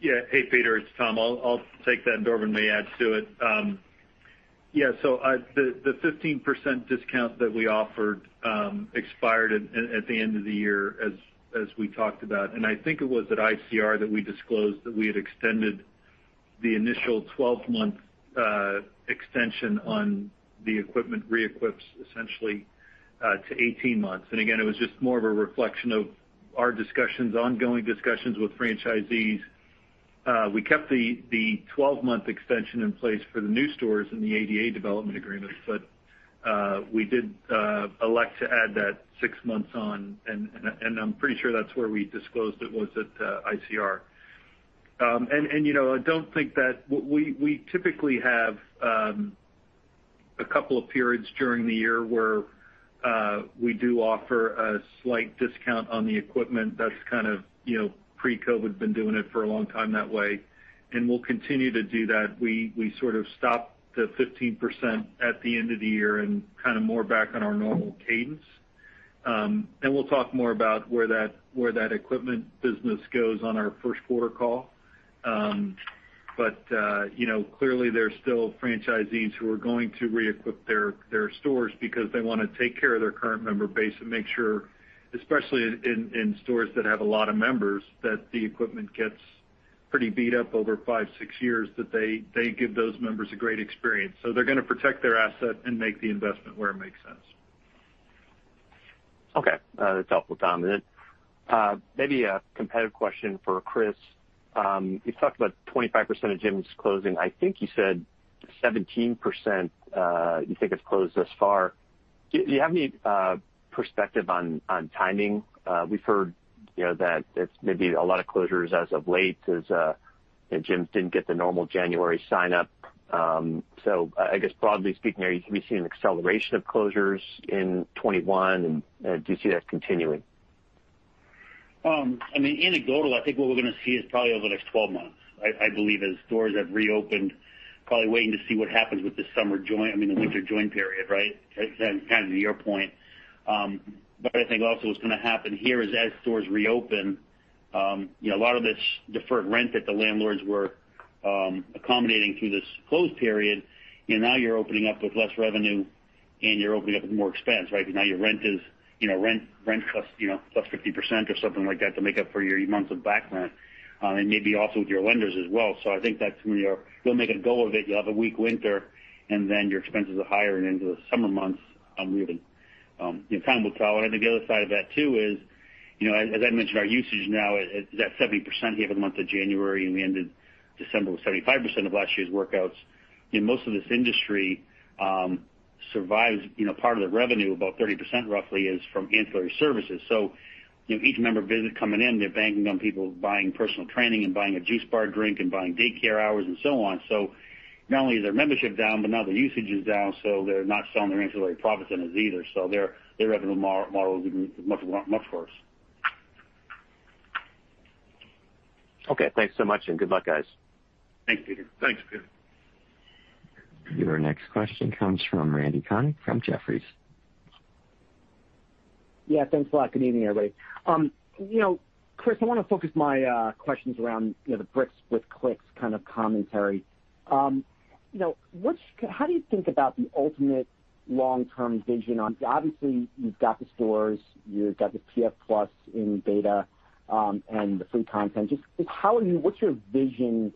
Yeah. Hey, Peter, it's Tom. I'll take that and Dorvin may add to it. The 15% discount that we offered expired at the end of the year, as we talked about. I think it was at ICR that we disclosed that we had extended the initial 12-month extension on the equipment re-equips essentially to 18 months. Again, it was just more of a reflection of our discussions, ongoing discussions with franchisees. We kept the 12-month extension in place for the new stores in the ADA development agreements, but we did elect to add that six months on, and I'm pretty sure that's where we disclosed it was at ICR. I don't think we typically have a couple of periods during the year where we do offer a slight discount on the equipment. That's kind of pre-COVID, been doing it for a long time that way, and we'll continue to do that. We sort of stopped the 15% at the end of the year and kind of more back on our normal cadence. We'll talk more about where that equipment business goes on our first quarter call. Clearly, there are still franchisees who are going to reequip their stores because they want to take care of their current member base and make sure, especially in stores that have a lot of members, that the equipment gets pretty beat up over five, six years, that they give those members a great experience. They're going to protect their asset and make the investment where it makes sense. Okay. That's helpful, Tom. Maybe a competitive question for Chris. You talked about 25% of gyms closing. I think you said 17% you think have closed thus far. Do you have any perspective on timing? We've heard that it's maybe a lot of closures as of late as gyms didn't get the normal January sign-up. I guess broadly speaking, are you seeing an acceleration of closures in 2021, and do you see that continuing? Anecdotal, I think what we're going to see is probably over the next 12 months. I believe as stores have reopened, probably waiting to see what happens with the winter join period, right. Kind of to your point. I think also what's going to happen here is as stores reopen, a lot of this deferred rent that the landlords were accommodating through this closed period, now you're opening up with less revenue and you're opening up with more expense, right. Because now your rent +50% or something like that to make up for your months of back rent, and maybe also with your lenders as well. I think that's when you'll make a go of it. You'll have a weak winter, and then your expenses are higher and into the summer months, really. Time will tell. I think the other side of that too is, as I mentioned, our usage now is at 70% here for the month of January, and we ended December with 75% of last year's workouts. Most of this industry survives, part of their revenue, about 30%, roughly, is from ancillary services. Each member visit coming in, they're banking on people buying personal training and buying a juice bar drink and buying daycare hours and so on. Not only is their membership down, but now their usage is down, so they're not selling their ancillary profit centers either. Their revenue model is much worse. Okay. Thanks so much, and good luck, guys. Thanks, Peter. Thanks, Peter. Your next question comes from Randy Konik from Jefferies. Yeah, thanks a lot. Good evening, everybody. Chris, I want to focus my questions around the bricks with clicks kind of commentary. How do you think about the ultimate long-term vision obviously, you've got the stores, you've got the PF+ in beta, and the free content. Just what's your vision,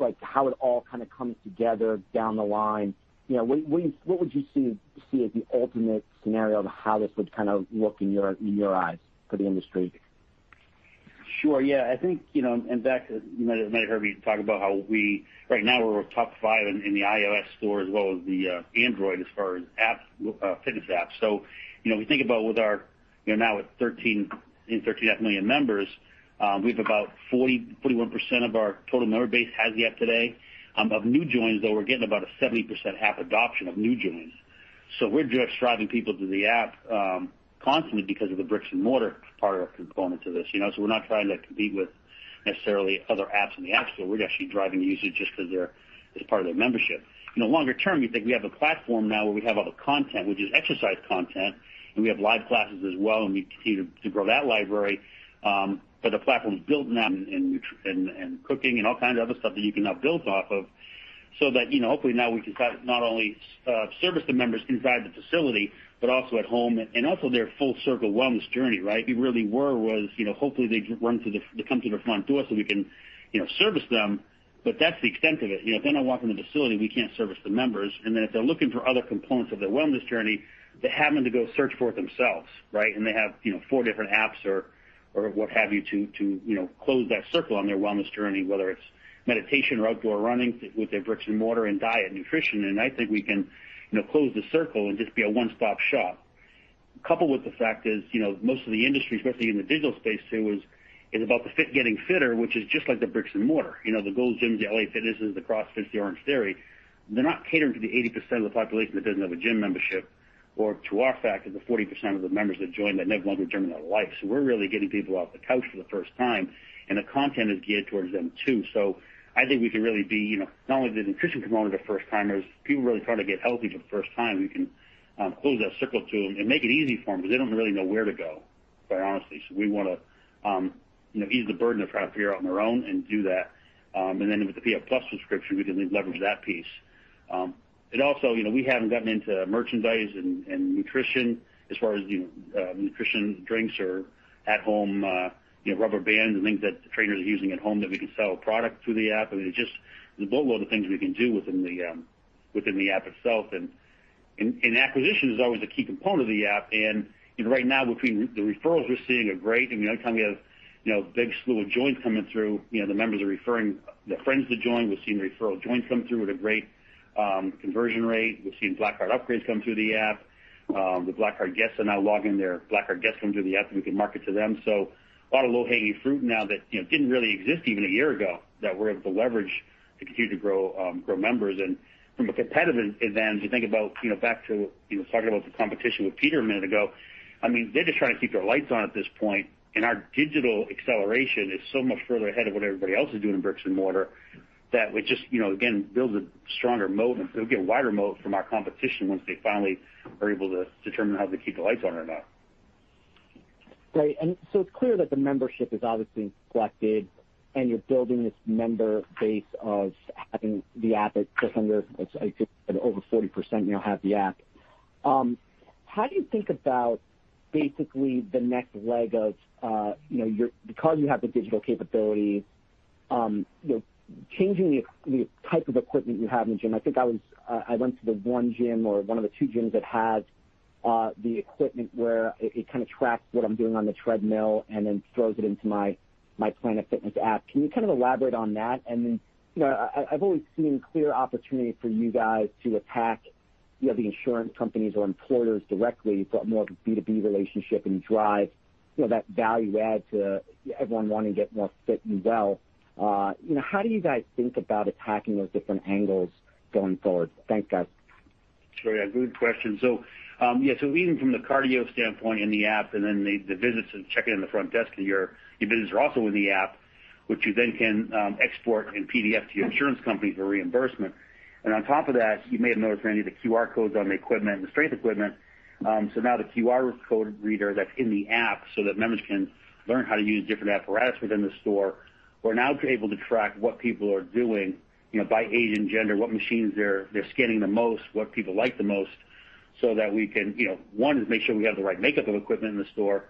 like how it all kind of comes together down the line? What would you see as the ultimate scenario of how this would kind of look in your eyes for the industry? Sure. Yeah. I think, you might have heard me talk about how right now we're top five in the iOS store as well as the Android as far as fitness apps. We think about with our, now with 13.5 million members, we have about 41% of our total member base has the app today. Of new joins, though, we're getting about a 70% app adoption of new joins. We're just driving people to the app constantly because of the bricks-and-mortar part or component to this. We're not trying to compete with necessarily other apps in the App Store. We're actually driving usage just because they're as part of their membership. Longer term, you think we have a platform now where we have all the content, which is exercise content, and we have live classes as well, and we continue to grow that library. The platform is built now in cooking and all kinds of other stuff that you can now build off of so that, hopefully now we can not only service the members inside the facility, but also at home, and also their full circle wellness journey. We really were, hopefully they come through the front door so we can service them. That's the extent of it. If they're not walking in the facility, we can't service the members. If they're looking for other components of their wellness journey, they're having to go search for it themselves. They have four different apps or what have you to close that circle on their wellness journey, whether it's meditation or outdoor running with their bricks-and-mortar and diet, nutrition in. I think we can close the circle and just be a one-stop shop. Coupled with the fact is, most of the industry, especially in the digital space too, is about the fit getting fitter, which is just like the bricks-and-mortar. The Gold's Gyms, the LA Fitnesses, the CrossFits, the Orangetheory, they're not catering to the 80% of the population that doesn't have a gym membership, or to our fact, of the 40% of the members that join that never once return in their life. We're really getting people off the couch for the first time, and the content is geared towards them, too. I think we can really be, not only the nutrition component of first timers, people really trying to get healthy for the first time, we can close that circle to them and make it easy for them because they don't really know where to go, quite honestly. We want to ease the burden of trying to figure out on their own and do that. With the PF+ subscription, we can leverage that piece. Also, we haven't gotten into merchandise and nutrition as far as nutrition drinks or at-home rubber bands and things that trainers are using at home that we can sell a product through the app. I mean, there's just a boatload of things we can do within the app itself. Acquisition is always a key component of the app. Right now between the referrals we're seeing are great. Anytime you have big slew of joins coming through, the members are referring their friends to join. We're seeing referral joins come through at a great conversion rate. We're seeing Black Card upgrades come through the app. The Black Card guests are now logging their Black Card guests come through the app, so we can market to them. A lot of low-hanging fruit now that didn't really exist even a year ago that we're able to leverage to continue to grow members. From a competitive end, if you think about back to talking about the competition with Peter a minute ago, they're just trying to keep their lights on at this point. Our digital acceleration is so much further ahead of what everybody else is doing in bricks-and-mortar that it just, again, builds a stronger moat and it'll get a wider moat from our competition once they finally are able to determine how to keep the lights on or not. Right. It's clear that the membership is obviously collected, and you're building this member base of having the app at just under, I think you said over 40% now have the app. How do you think about basically the next leg of, because you have the digital capability, changing the type of equipment you have in the gym. I think I went to the one gym or one of the two gyms that has the equipment where it kind of tracks what I'm doing on the treadmill and then throws it into my Planet Fitness App. Can you kind of elaborate on that? I've always seen clear opportunity for you guys to attack the insurance companies or employers directly, but more of a B2B relationship and drive that value add to everyone wanting to get more fit and well. How do you guys think about attacking those different angles going forward? Thanks, guys. Sure, yeah. Good question. Yeah, so even from the cardio standpoint in the app, and then the visits and checking in the front desk, and your visits are also in the app, which you then can export in PDF to your insurance company for reimbursement. On top of that, you may have noticed Randy, the QR codes on the equipment and the strength equipment. Now the QR code reader that's in the app so that members can learn how to use different apparatus within the store. We're now able to track what people are doing, by age and gender, what machines they're scanning the most, what people like the most, so that we can, one, make sure we have the right makeup of equipment in the store,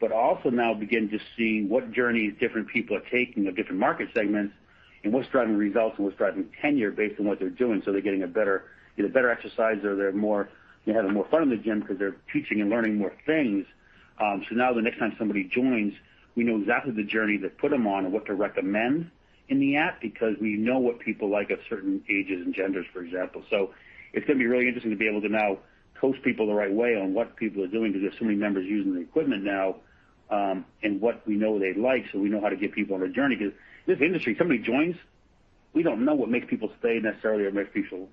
but also now begin to see what journeys different people are taking of different market segments and what's driving results and what's driving tenure based on what they're doing. They're getting a better exercise or they're having more fun in the gym because they're teaching and learning more things. Now the next time somebody joins, we know exactly the journey to put them on and what to recommend in the app because we know what people like of certain ages and genders, for example. It's going to be really interesting to be able to now coach people the right way on what people are doing because there's so many members using the equipment now, and what we know they like, so we know how to get people on a journey. This industry, somebody joins, we don't know what makes people stay necessarily or makes people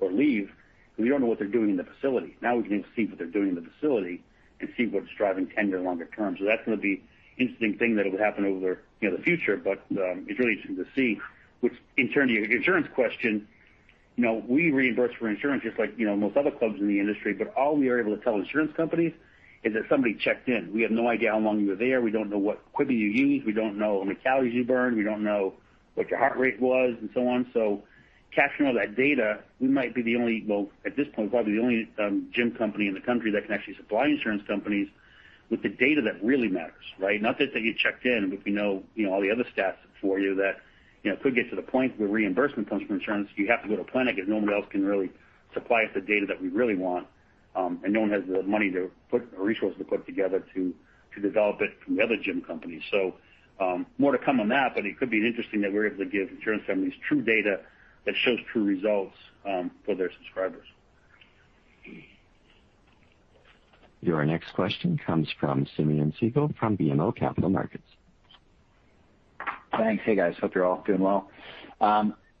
leave. We don't know what they're doing in the facility. Now we can actually see what they're doing in the facility and see what's driving tenure longer term. That's going to be interesting thing that will happen over the future. It's really interesting to see, which in turn to your insurance question, we reimburse for insurance just like most other clubs in the industry, but all we are able to tell insurance companies is that somebody checked in. We have no idea how long you were there. We don't know what equipment you used. We don't know how many calories you burned. We don't know what your heart rate was and so on. Capturing all that data, we might be the only, well, at this point, probably the only gym company in the country that can actually supply insurance companies with the data that really matters, right? Not that they get checked in, but we know all the other stats for you that could get to the point where reimbursement comes from insurance, you have to go to Planet because nobody else can really supply us the data that we really want, and no one has the money to put or resources to put together to develop it from the other gym companies. More to come on that, but it could be interesting that we're able to give insurance companies true data that shows true results for their subscribers. Your next question comes from Simeon Siegel from BMO Capital Markets. Thanks. Hey, guys. Hope you're all doing well.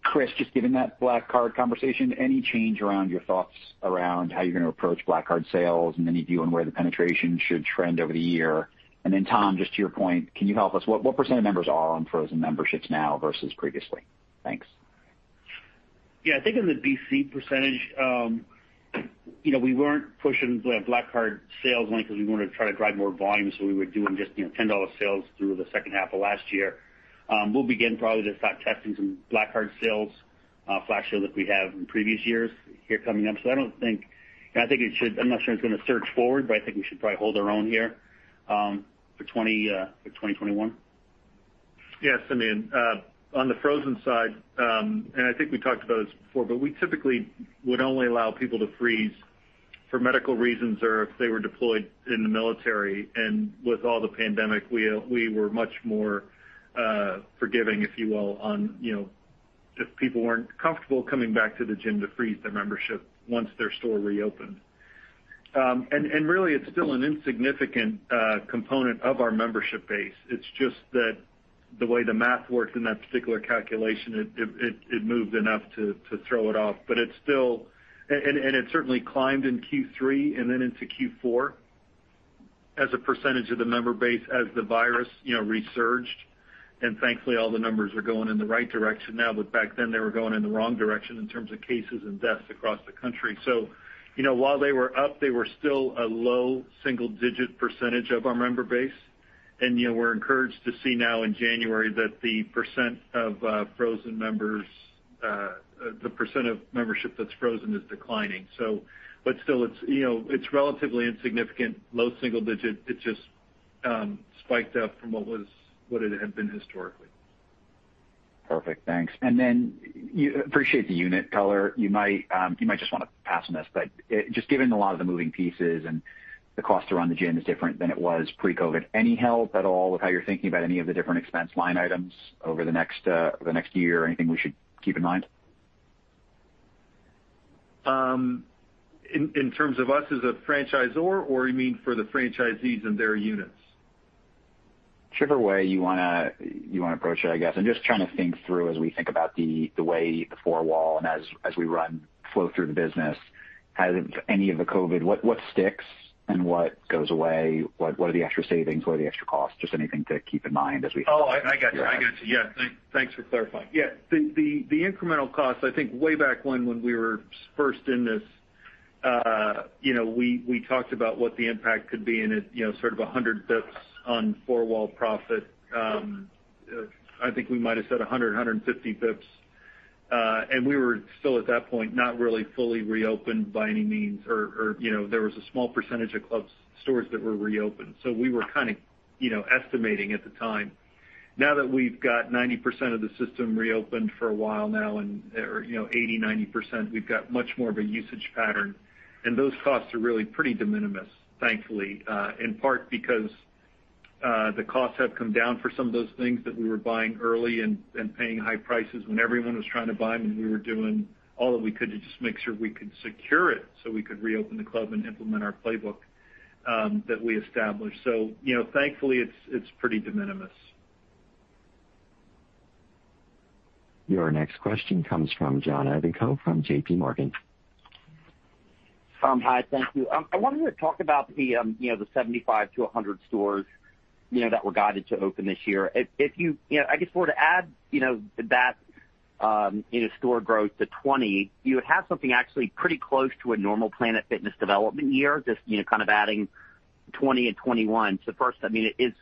Chris, just given that Black Card conversation, any change around your thoughts around how you're going to approach Black Card sales and any view on where the penetration should trend over the year? Tom, just to your point, can you help us, what % of members are on frozen memberships now versus previously? Thanks. Yeah, I think on the BC percentage, we weren't pushing Black Card sales only because we wanted to try to drive more volume, so we were doing just $10 sales through the second half of last year. We'll begin probably to start testing some Black Card sales, flash sales like we have in previous years here coming up. I'm not sure it's going to surge forward, but I think we should probably hold our own here, for 2021. Yes, Simeon. On the frozen side, I think we talked about this before, we typically would only allow people to freeze for medical reasons or if they were deployed in the military. With all the pandemic, we were much more forgiving, if you will, on if people weren't comfortable coming back to the gym to freeze their membership once their store reopened. Really, it's still an insignificant component of our membership base. It's just that the way the math worked in that particular calculation, it moved enough to throw it off. It certainly climbed in Q3 into Q4 as a percentage of the member base as the virus resurged. Thankfully, all the numbers are going in the right direction now, back then, they were going in the wrong direction in terms of cases and deaths across the country. While they were up, they were still a low single-digit percentage of our member base. We're encouraged to see now in January that the percent of membership that's frozen is declining. Still, it's relatively insignificant, low single digit. It just spiked up from what it had been historically. Perfect. Thanks. Appreciate the unit color. You might just want to pass on this, but just given a lot of the moving pieces and the cost to run the gym is different than it was pre-COVID. Any help at all with how you're thinking about any of the different expense line items over the next year? Anything we should keep in mind? In terms of us as a franchisor, or you mean for the franchisees and their units? Whichever way you want to approach it, I guess. I'm just trying to think through as we think about the way the four wall and as we run flow through the business, has any of the COVID, what sticks and what goes away? What are the extra savings? What are the extra costs? Just anything to keep in mind as we. Oh, I got you. Yeah. Thanks for clarifying. Yeah. The incremental costs, I think way back when we were first in this. You know, we talked about what the impact could be in sort of 100 basis points on four-wall profit. I think we might have said 100 basis points, 150 basis points. We were still, at that point, not really fully reopened by any means, or there was a small percentage of club stores that were reopened. We were kind of estimating at the time. Now that we've got 90% of the system reopened for a while now, and 80%, 90%, we've got much more of a usage pattern. Those costs are really pretty de minimis, thankfully, in part because the costs have come down for some of those things that we were buying early and paying high prices when everyone was trying to buy them, and we were doing all that we could to just make sure we could secure it so we could reopen the club and implement our playbook that we established. Thankfully, it's pretty de minimis. Your next question comes from John Ivankoe from JPMorgan. Hi. Thank you. I wanted to talk about the 75-100 stores that were guided to open this year. I guess were to add that store growth to 2020, you would have something actually pretty close to a normal Planet Fitness development year, just kind of adding 2020 and 2021. First, is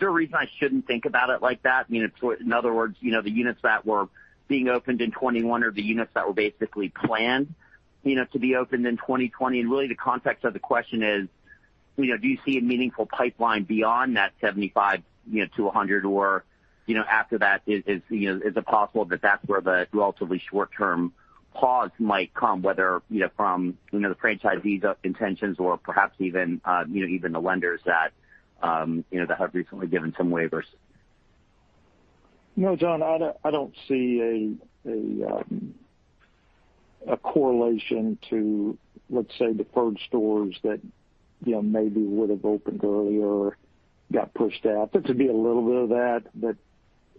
there a reason I shouldn't think about it like that? In other words, the units that were being opened in 2021 are the units that were basically planned to be opened in 2020? Really, the context of the question is, do you see a meaningful pipeline beyond that 75-100? After that, is it possible that that's where the relatively short-term pause might come, whether from the franchisees' intentions or perhaps even the lenders that have recently given some waivers? John, I don't see a correlation to, let's say, deferred stores that maybe would have opened earlier or got pushed out. There could be a little bit of that, but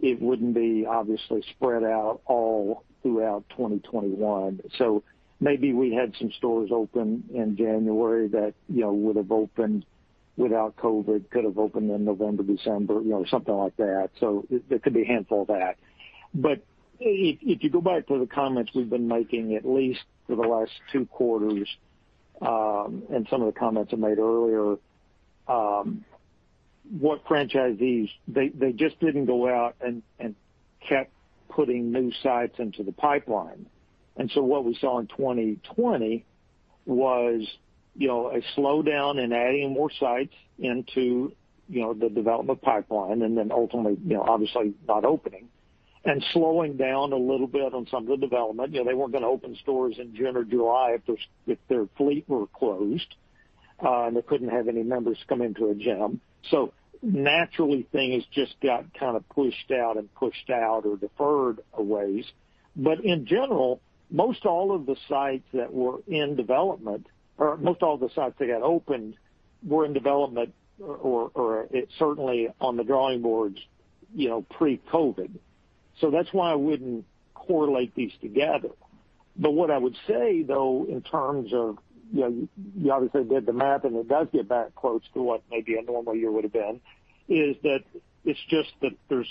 it wouldn't be obviously spread out all throughout 2021. Maybe we had some stores open in January that would have opened without COVID-19, could have opened in November, December, something like that. There could be a handful of that. If you go back to the comments we've been making, at least for the last two quarters, and some of the comments I made earlier, what franchisees, they just didn't go out and kept putting new sites into the pipeline. What we saw in 2020 was a slowdown in adding more sites into the development pipeline ultimately, obviously, not opening and slowing down a little bit on some of the development. They weren't going to open stores in June or July if their fleet were closed, and they couldn't have any members come into a gym. Naturally, things just got kind of pushed out and pushed out or deferred away. In general, most all of the sites that were in development, or most all the sites that got opened were in development or certainly on the drawing boards pre-COVID. That's why I wouldn't correlate these together. What I would say, though, in terms of, you obviously did the math, and it does get back close to what maybe a normal year would have been, is that it's just that there's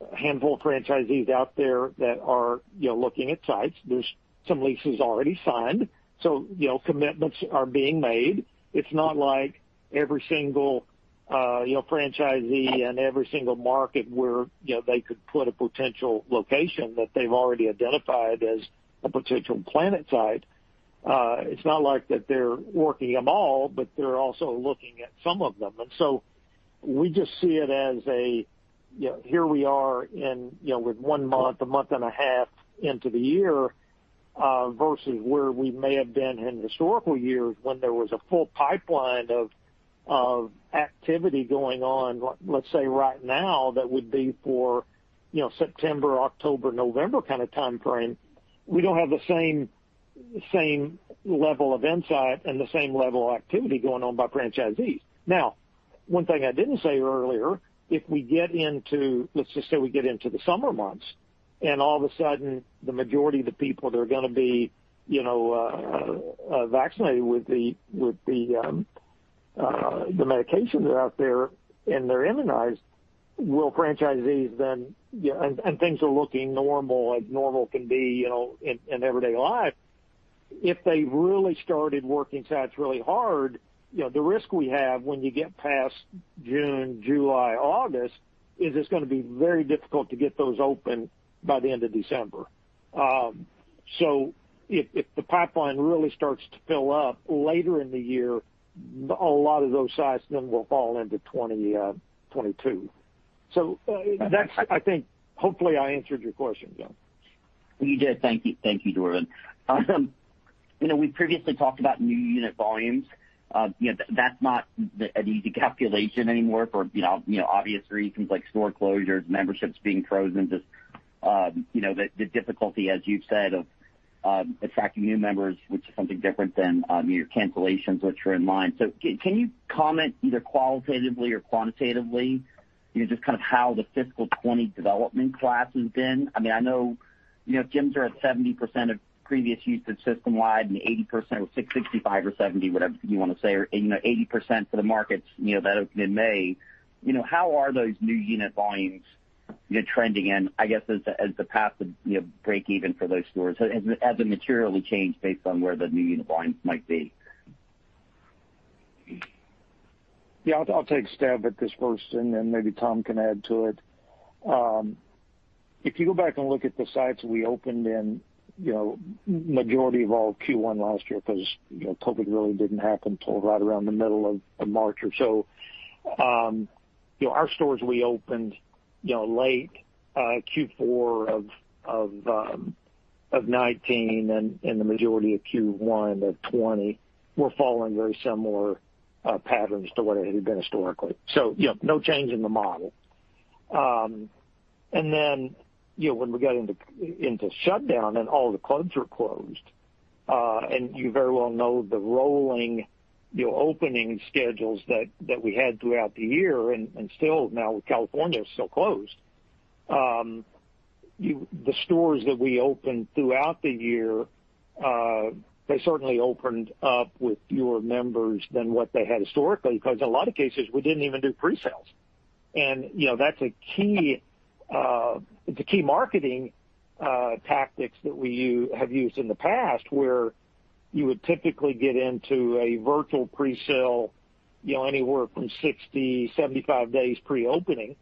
a handful of franchisees out there that are looking at sites. There's some leases already signed, so commitments are being made. It's not like every single franchisee and every single market where they could put a potential location that they've already identified as a potential Planet site. It's not like that they're working them all, but they're also looking at some of them. We just see it as a here we are with one month, a month and a half into the year versus where we may have been in historical years when there was a full pipeline of activity going on, let's say right now, that would be for September, October, November kind of timeframe. We don't have the same level of insight and the same level of activity going on by franchisees. One thing I didn't say earlier, if we get into, let's just say we get into the summer months and all of a sudden the majority of the people that are going to be vaccinated with the medications that are out there and they're immunized, will franchisees then, and things are looking normal, like normal can be in everyday life? If they really started working sites really hard, the risk we have when you get past June, July, August is it's going to be very difficult to get those open by the end of December. If the pipeline really starts to fill up later in the year, a lot of those sites then will fall into 2022. That's, I think, hopefully, I answered your question, John. You did. Thank you, Dorvin. We previously talked about new unit volumes. That's not an easy calculation anymore for obvious reasons like store closures, memberships being frozen, just the difficulty, as you've said, of attracting new members, which is something different than your cancellations, which are in line. Can you comment either qualitatively or quantitatively, just kind of how the fiscal 2020 development class has been? I know gyms are at 70% of previous usage system-wide and 80% or 65% or 70%, whatever you want to say, or 80% for the markets that open in May. How are those new unit volumes you're trending in, I guess, as the path to breakeven for those stores? Has it materially changed based on where the new unit volumes might be? Yeah, I'll take a stab at this first, and then maybe Tom can add to it. If you go back and look at the sites we opened in the majority of all Q1 last year, because COVID really didn't happen till right around the middle of March or so. Our stores we opened late Q4 of 2019 and the majority of Q1 of 2020 were following very similar patterns to what it had been historically. No change in the model. When we got into shutdown and all the clubs were closed, and you very well know the rolling opening schedules that we had throughout the year and still now with California still closed. The stores that we opened throughout the year, they certainly opened up with fewer members than what they had historically, because in a lot of cases, we didn't even do pre-sales. That's a key marketing tactic that we have used in the past, where you would typically get into a virtual pre-sale anywhere from 60, 75 days pre-opening,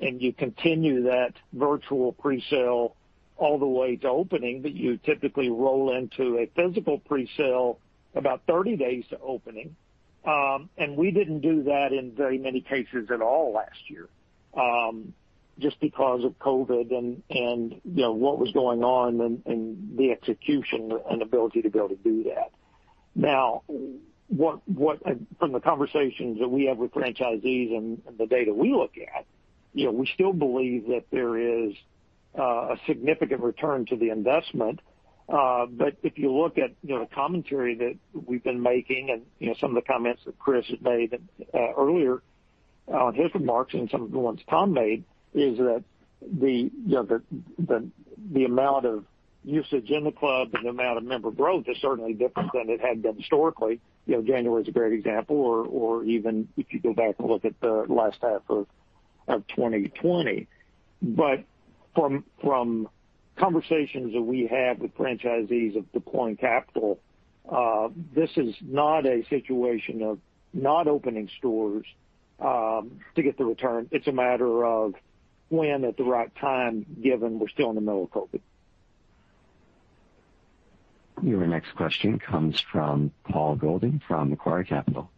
and you continue that virtual pre-sale all the way to opening, but you typically roll into a physical pre-sale about 30 days to opening. We didn't do that in very many cases at all last year, just because of COVID and what was going on and the execution and ability to be able to do that. Now, from the conversations that we have with franchisees and the data we look at, we still believe that there is a significant return to the investment. If you look at the commentary that we've been making and some of the comments that Chris had made earlier on his remarks and some of the ones Tom made, is that the amount of usage in the club and the amount of member growth is certainly different than it had been historically. January is a great example, or even if you go back and look at the last half of 2020. From conversations that we have with franchisees of deploying capital, this is not a situation of not opening stores to get the return. It's a matter of when at the right time, given we're still in the middle of COVID. Your next question comes from Paul Golding from Macquarie Capital.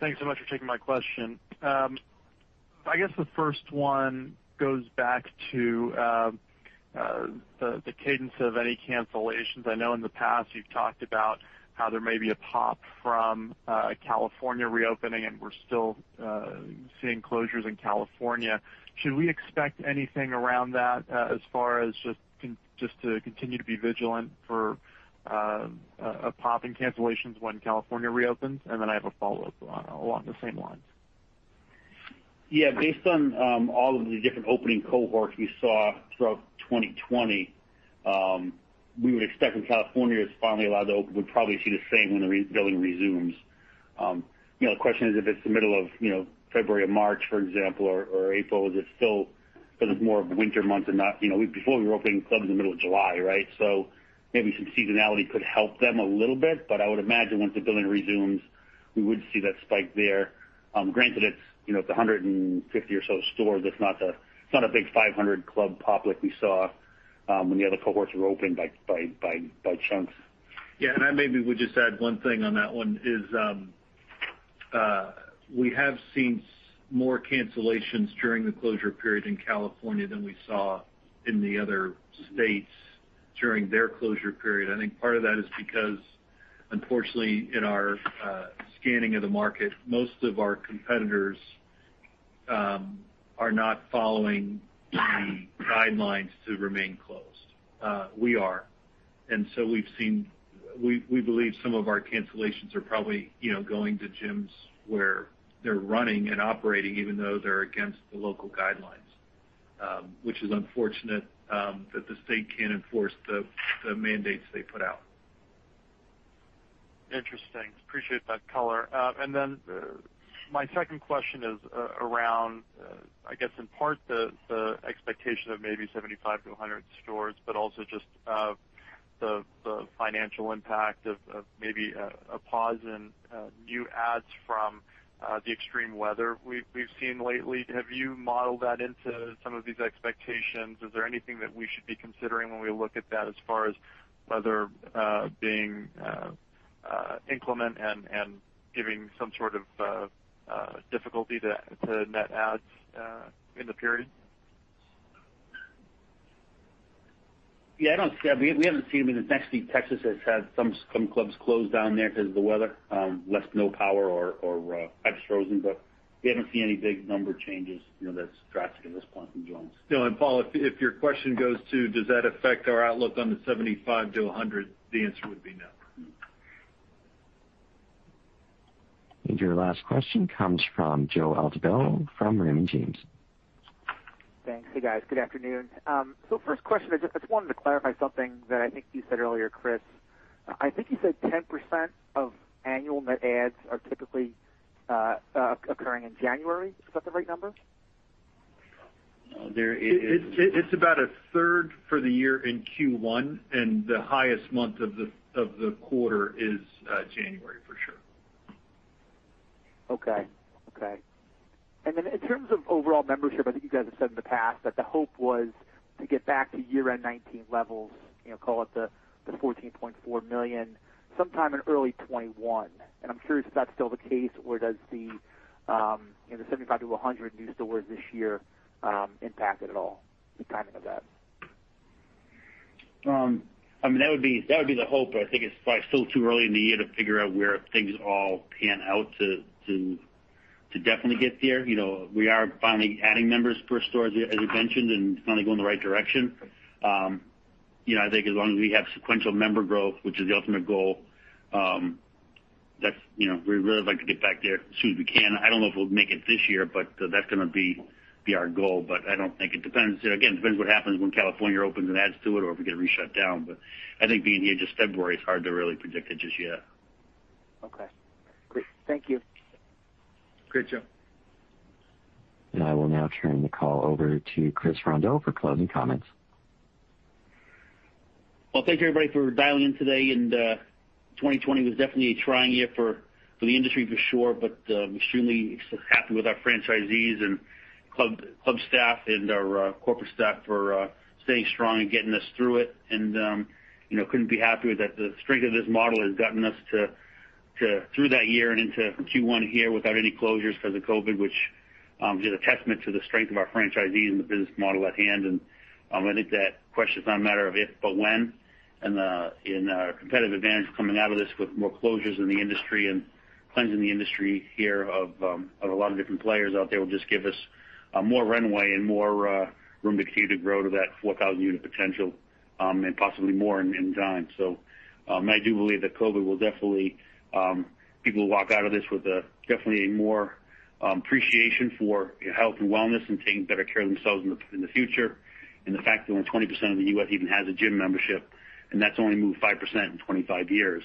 Thanks so much for taking my question. I guess the first one goes back to the cadence of any cancellations. I know in the past you've talked about how there may be a pop from California reopening, and we're still seeing closures in California. Should we expect anything around that as far as just to continue to be vigilant for a pop in cancellations when California reopens? I have a follow-up along the same lines. Yeah. Based on all of the different opening cohorts we saw throughout 2020, we would expect when California is finally allowed to open, we'd probably see the same when the billing resumes. The question is if it's the middle of February or March, for example, or April, is it still more of winter months or not? Before we were opening clubs in the middle of July, right? Maybe some seasonality could help them a little bit, but I would imagine once the billing resumes, we would see that spike there. Granted, it's 150 or so stores. It's not a big 500-club pop like we saw when the other cohorts were opened by chunks. I maybe would just add one thing on that one is, we have seen more cancellations during the closure period in California than we saw in the other states during their closure period. I think part of that is because, unfortunately, in our scanning of the market, most of our competitors are not following the guidelines to remain closed. We are. We believe some of our cancellations are probably going to gyms where they're running and operating, even though they're against the local guidelines, which is unfortunate that the state can't enforce the mandates they put out. Interesting. Appreciate that color. My second question is around, I guess in part the expectation of maybe 75-100 stores, but also just the financial impact of maybe a pause in new adds from the extreme weather we've seen lately. Have you modeled that into some of these expectations? Is there anything that we should be considering when we look at that as far as weather being inclement and giving some sort of difficulty to net adds in the period? Yeah, we haven't seen any. Texas has had some clubs closed down there because of the weather, left no power or pipes frozen. We haven't seen any big number changes that's drastic at this point from joins. No. Paul, if your question goes to does that affect our outlook on the 75-100, the answer would be no. Your last question comes from Joe Altobello from Raymond James. Thanks. Hey, guys. Good afternoon. First question, I just wanted to clarify something that I think you said earlier, Chris. I think you said 10% of annual net adds are typically occurring in January. Is that the right number? No, there is- It's about 1/3 for the year in Q1, and the highest month of the quarter is January, for sure. Okay. In terms of overall membership, I think you guys have said in the past that the hope was to get back to year-end 2019 levels, call it the 14.4 million, sometime in early 2021. I'm curious if that's still the case, or does the 75-100 new stores this year impact it at all, the timing of that? That would be the hope, but I think it's probably still too early in the year to figure out where things all pan out to definitely get there. We are finally adding members per store, as you mentioned, and it's finally going in the right direction. I think as long as we have sequential member growth, which is the ultimate goal, we'd really like to get back there as soon as we can. I don't know if we'll make it this year, but that's going to be our goal. I don't think it depends. Again, it depends what happens when California opens and adds to it or if we get re-shut down. I think being here, just February, it's hard to really predict it just yet. Okay, great. Thank you. Great, Joe. I will now turn the call over to Chris Rondeau for closing comments. Well, thank you, everybody, for dialing in today. 2020 was definitely a trying year for the industry, for sure, but I'm extremely happy with our franchisees and club staff and our corporate staff for staying strong and getting us through it. Couldn't be happier that the strength of this model has gotten us through that year and into Q1 here without any closures because of COVID, which is a testament to the strength of our franchisees and the business model at hand. I think that question is not a matter of if, but when, and our competitive advantage coming out of this with more closures in the industry and cleansing the industry here of a lot of different players out there will just give us more runway and more room to continue to grow to that 4,000 unit potential and possibly more in time. I do believe that COVID will definitely People will walk out of this with definitely more appreciation for health and wellness and taking better care of themselves in the future. The fact that only 20% of the U.S. even has a gym membership, and that's only moved 5% in 25 years,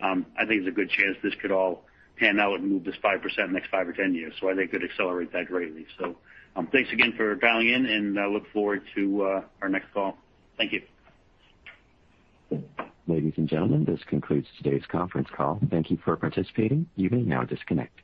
I think there's a good chance this could all pan out and move this 5% in the next five or 10 years. I think it could accelerate that greatly. Thanks again for dialing in, and I look forward to our next call. Thank you. Ladies and gentlemen, this concludes today's conference call. Thank you for participating. You may now disconnect.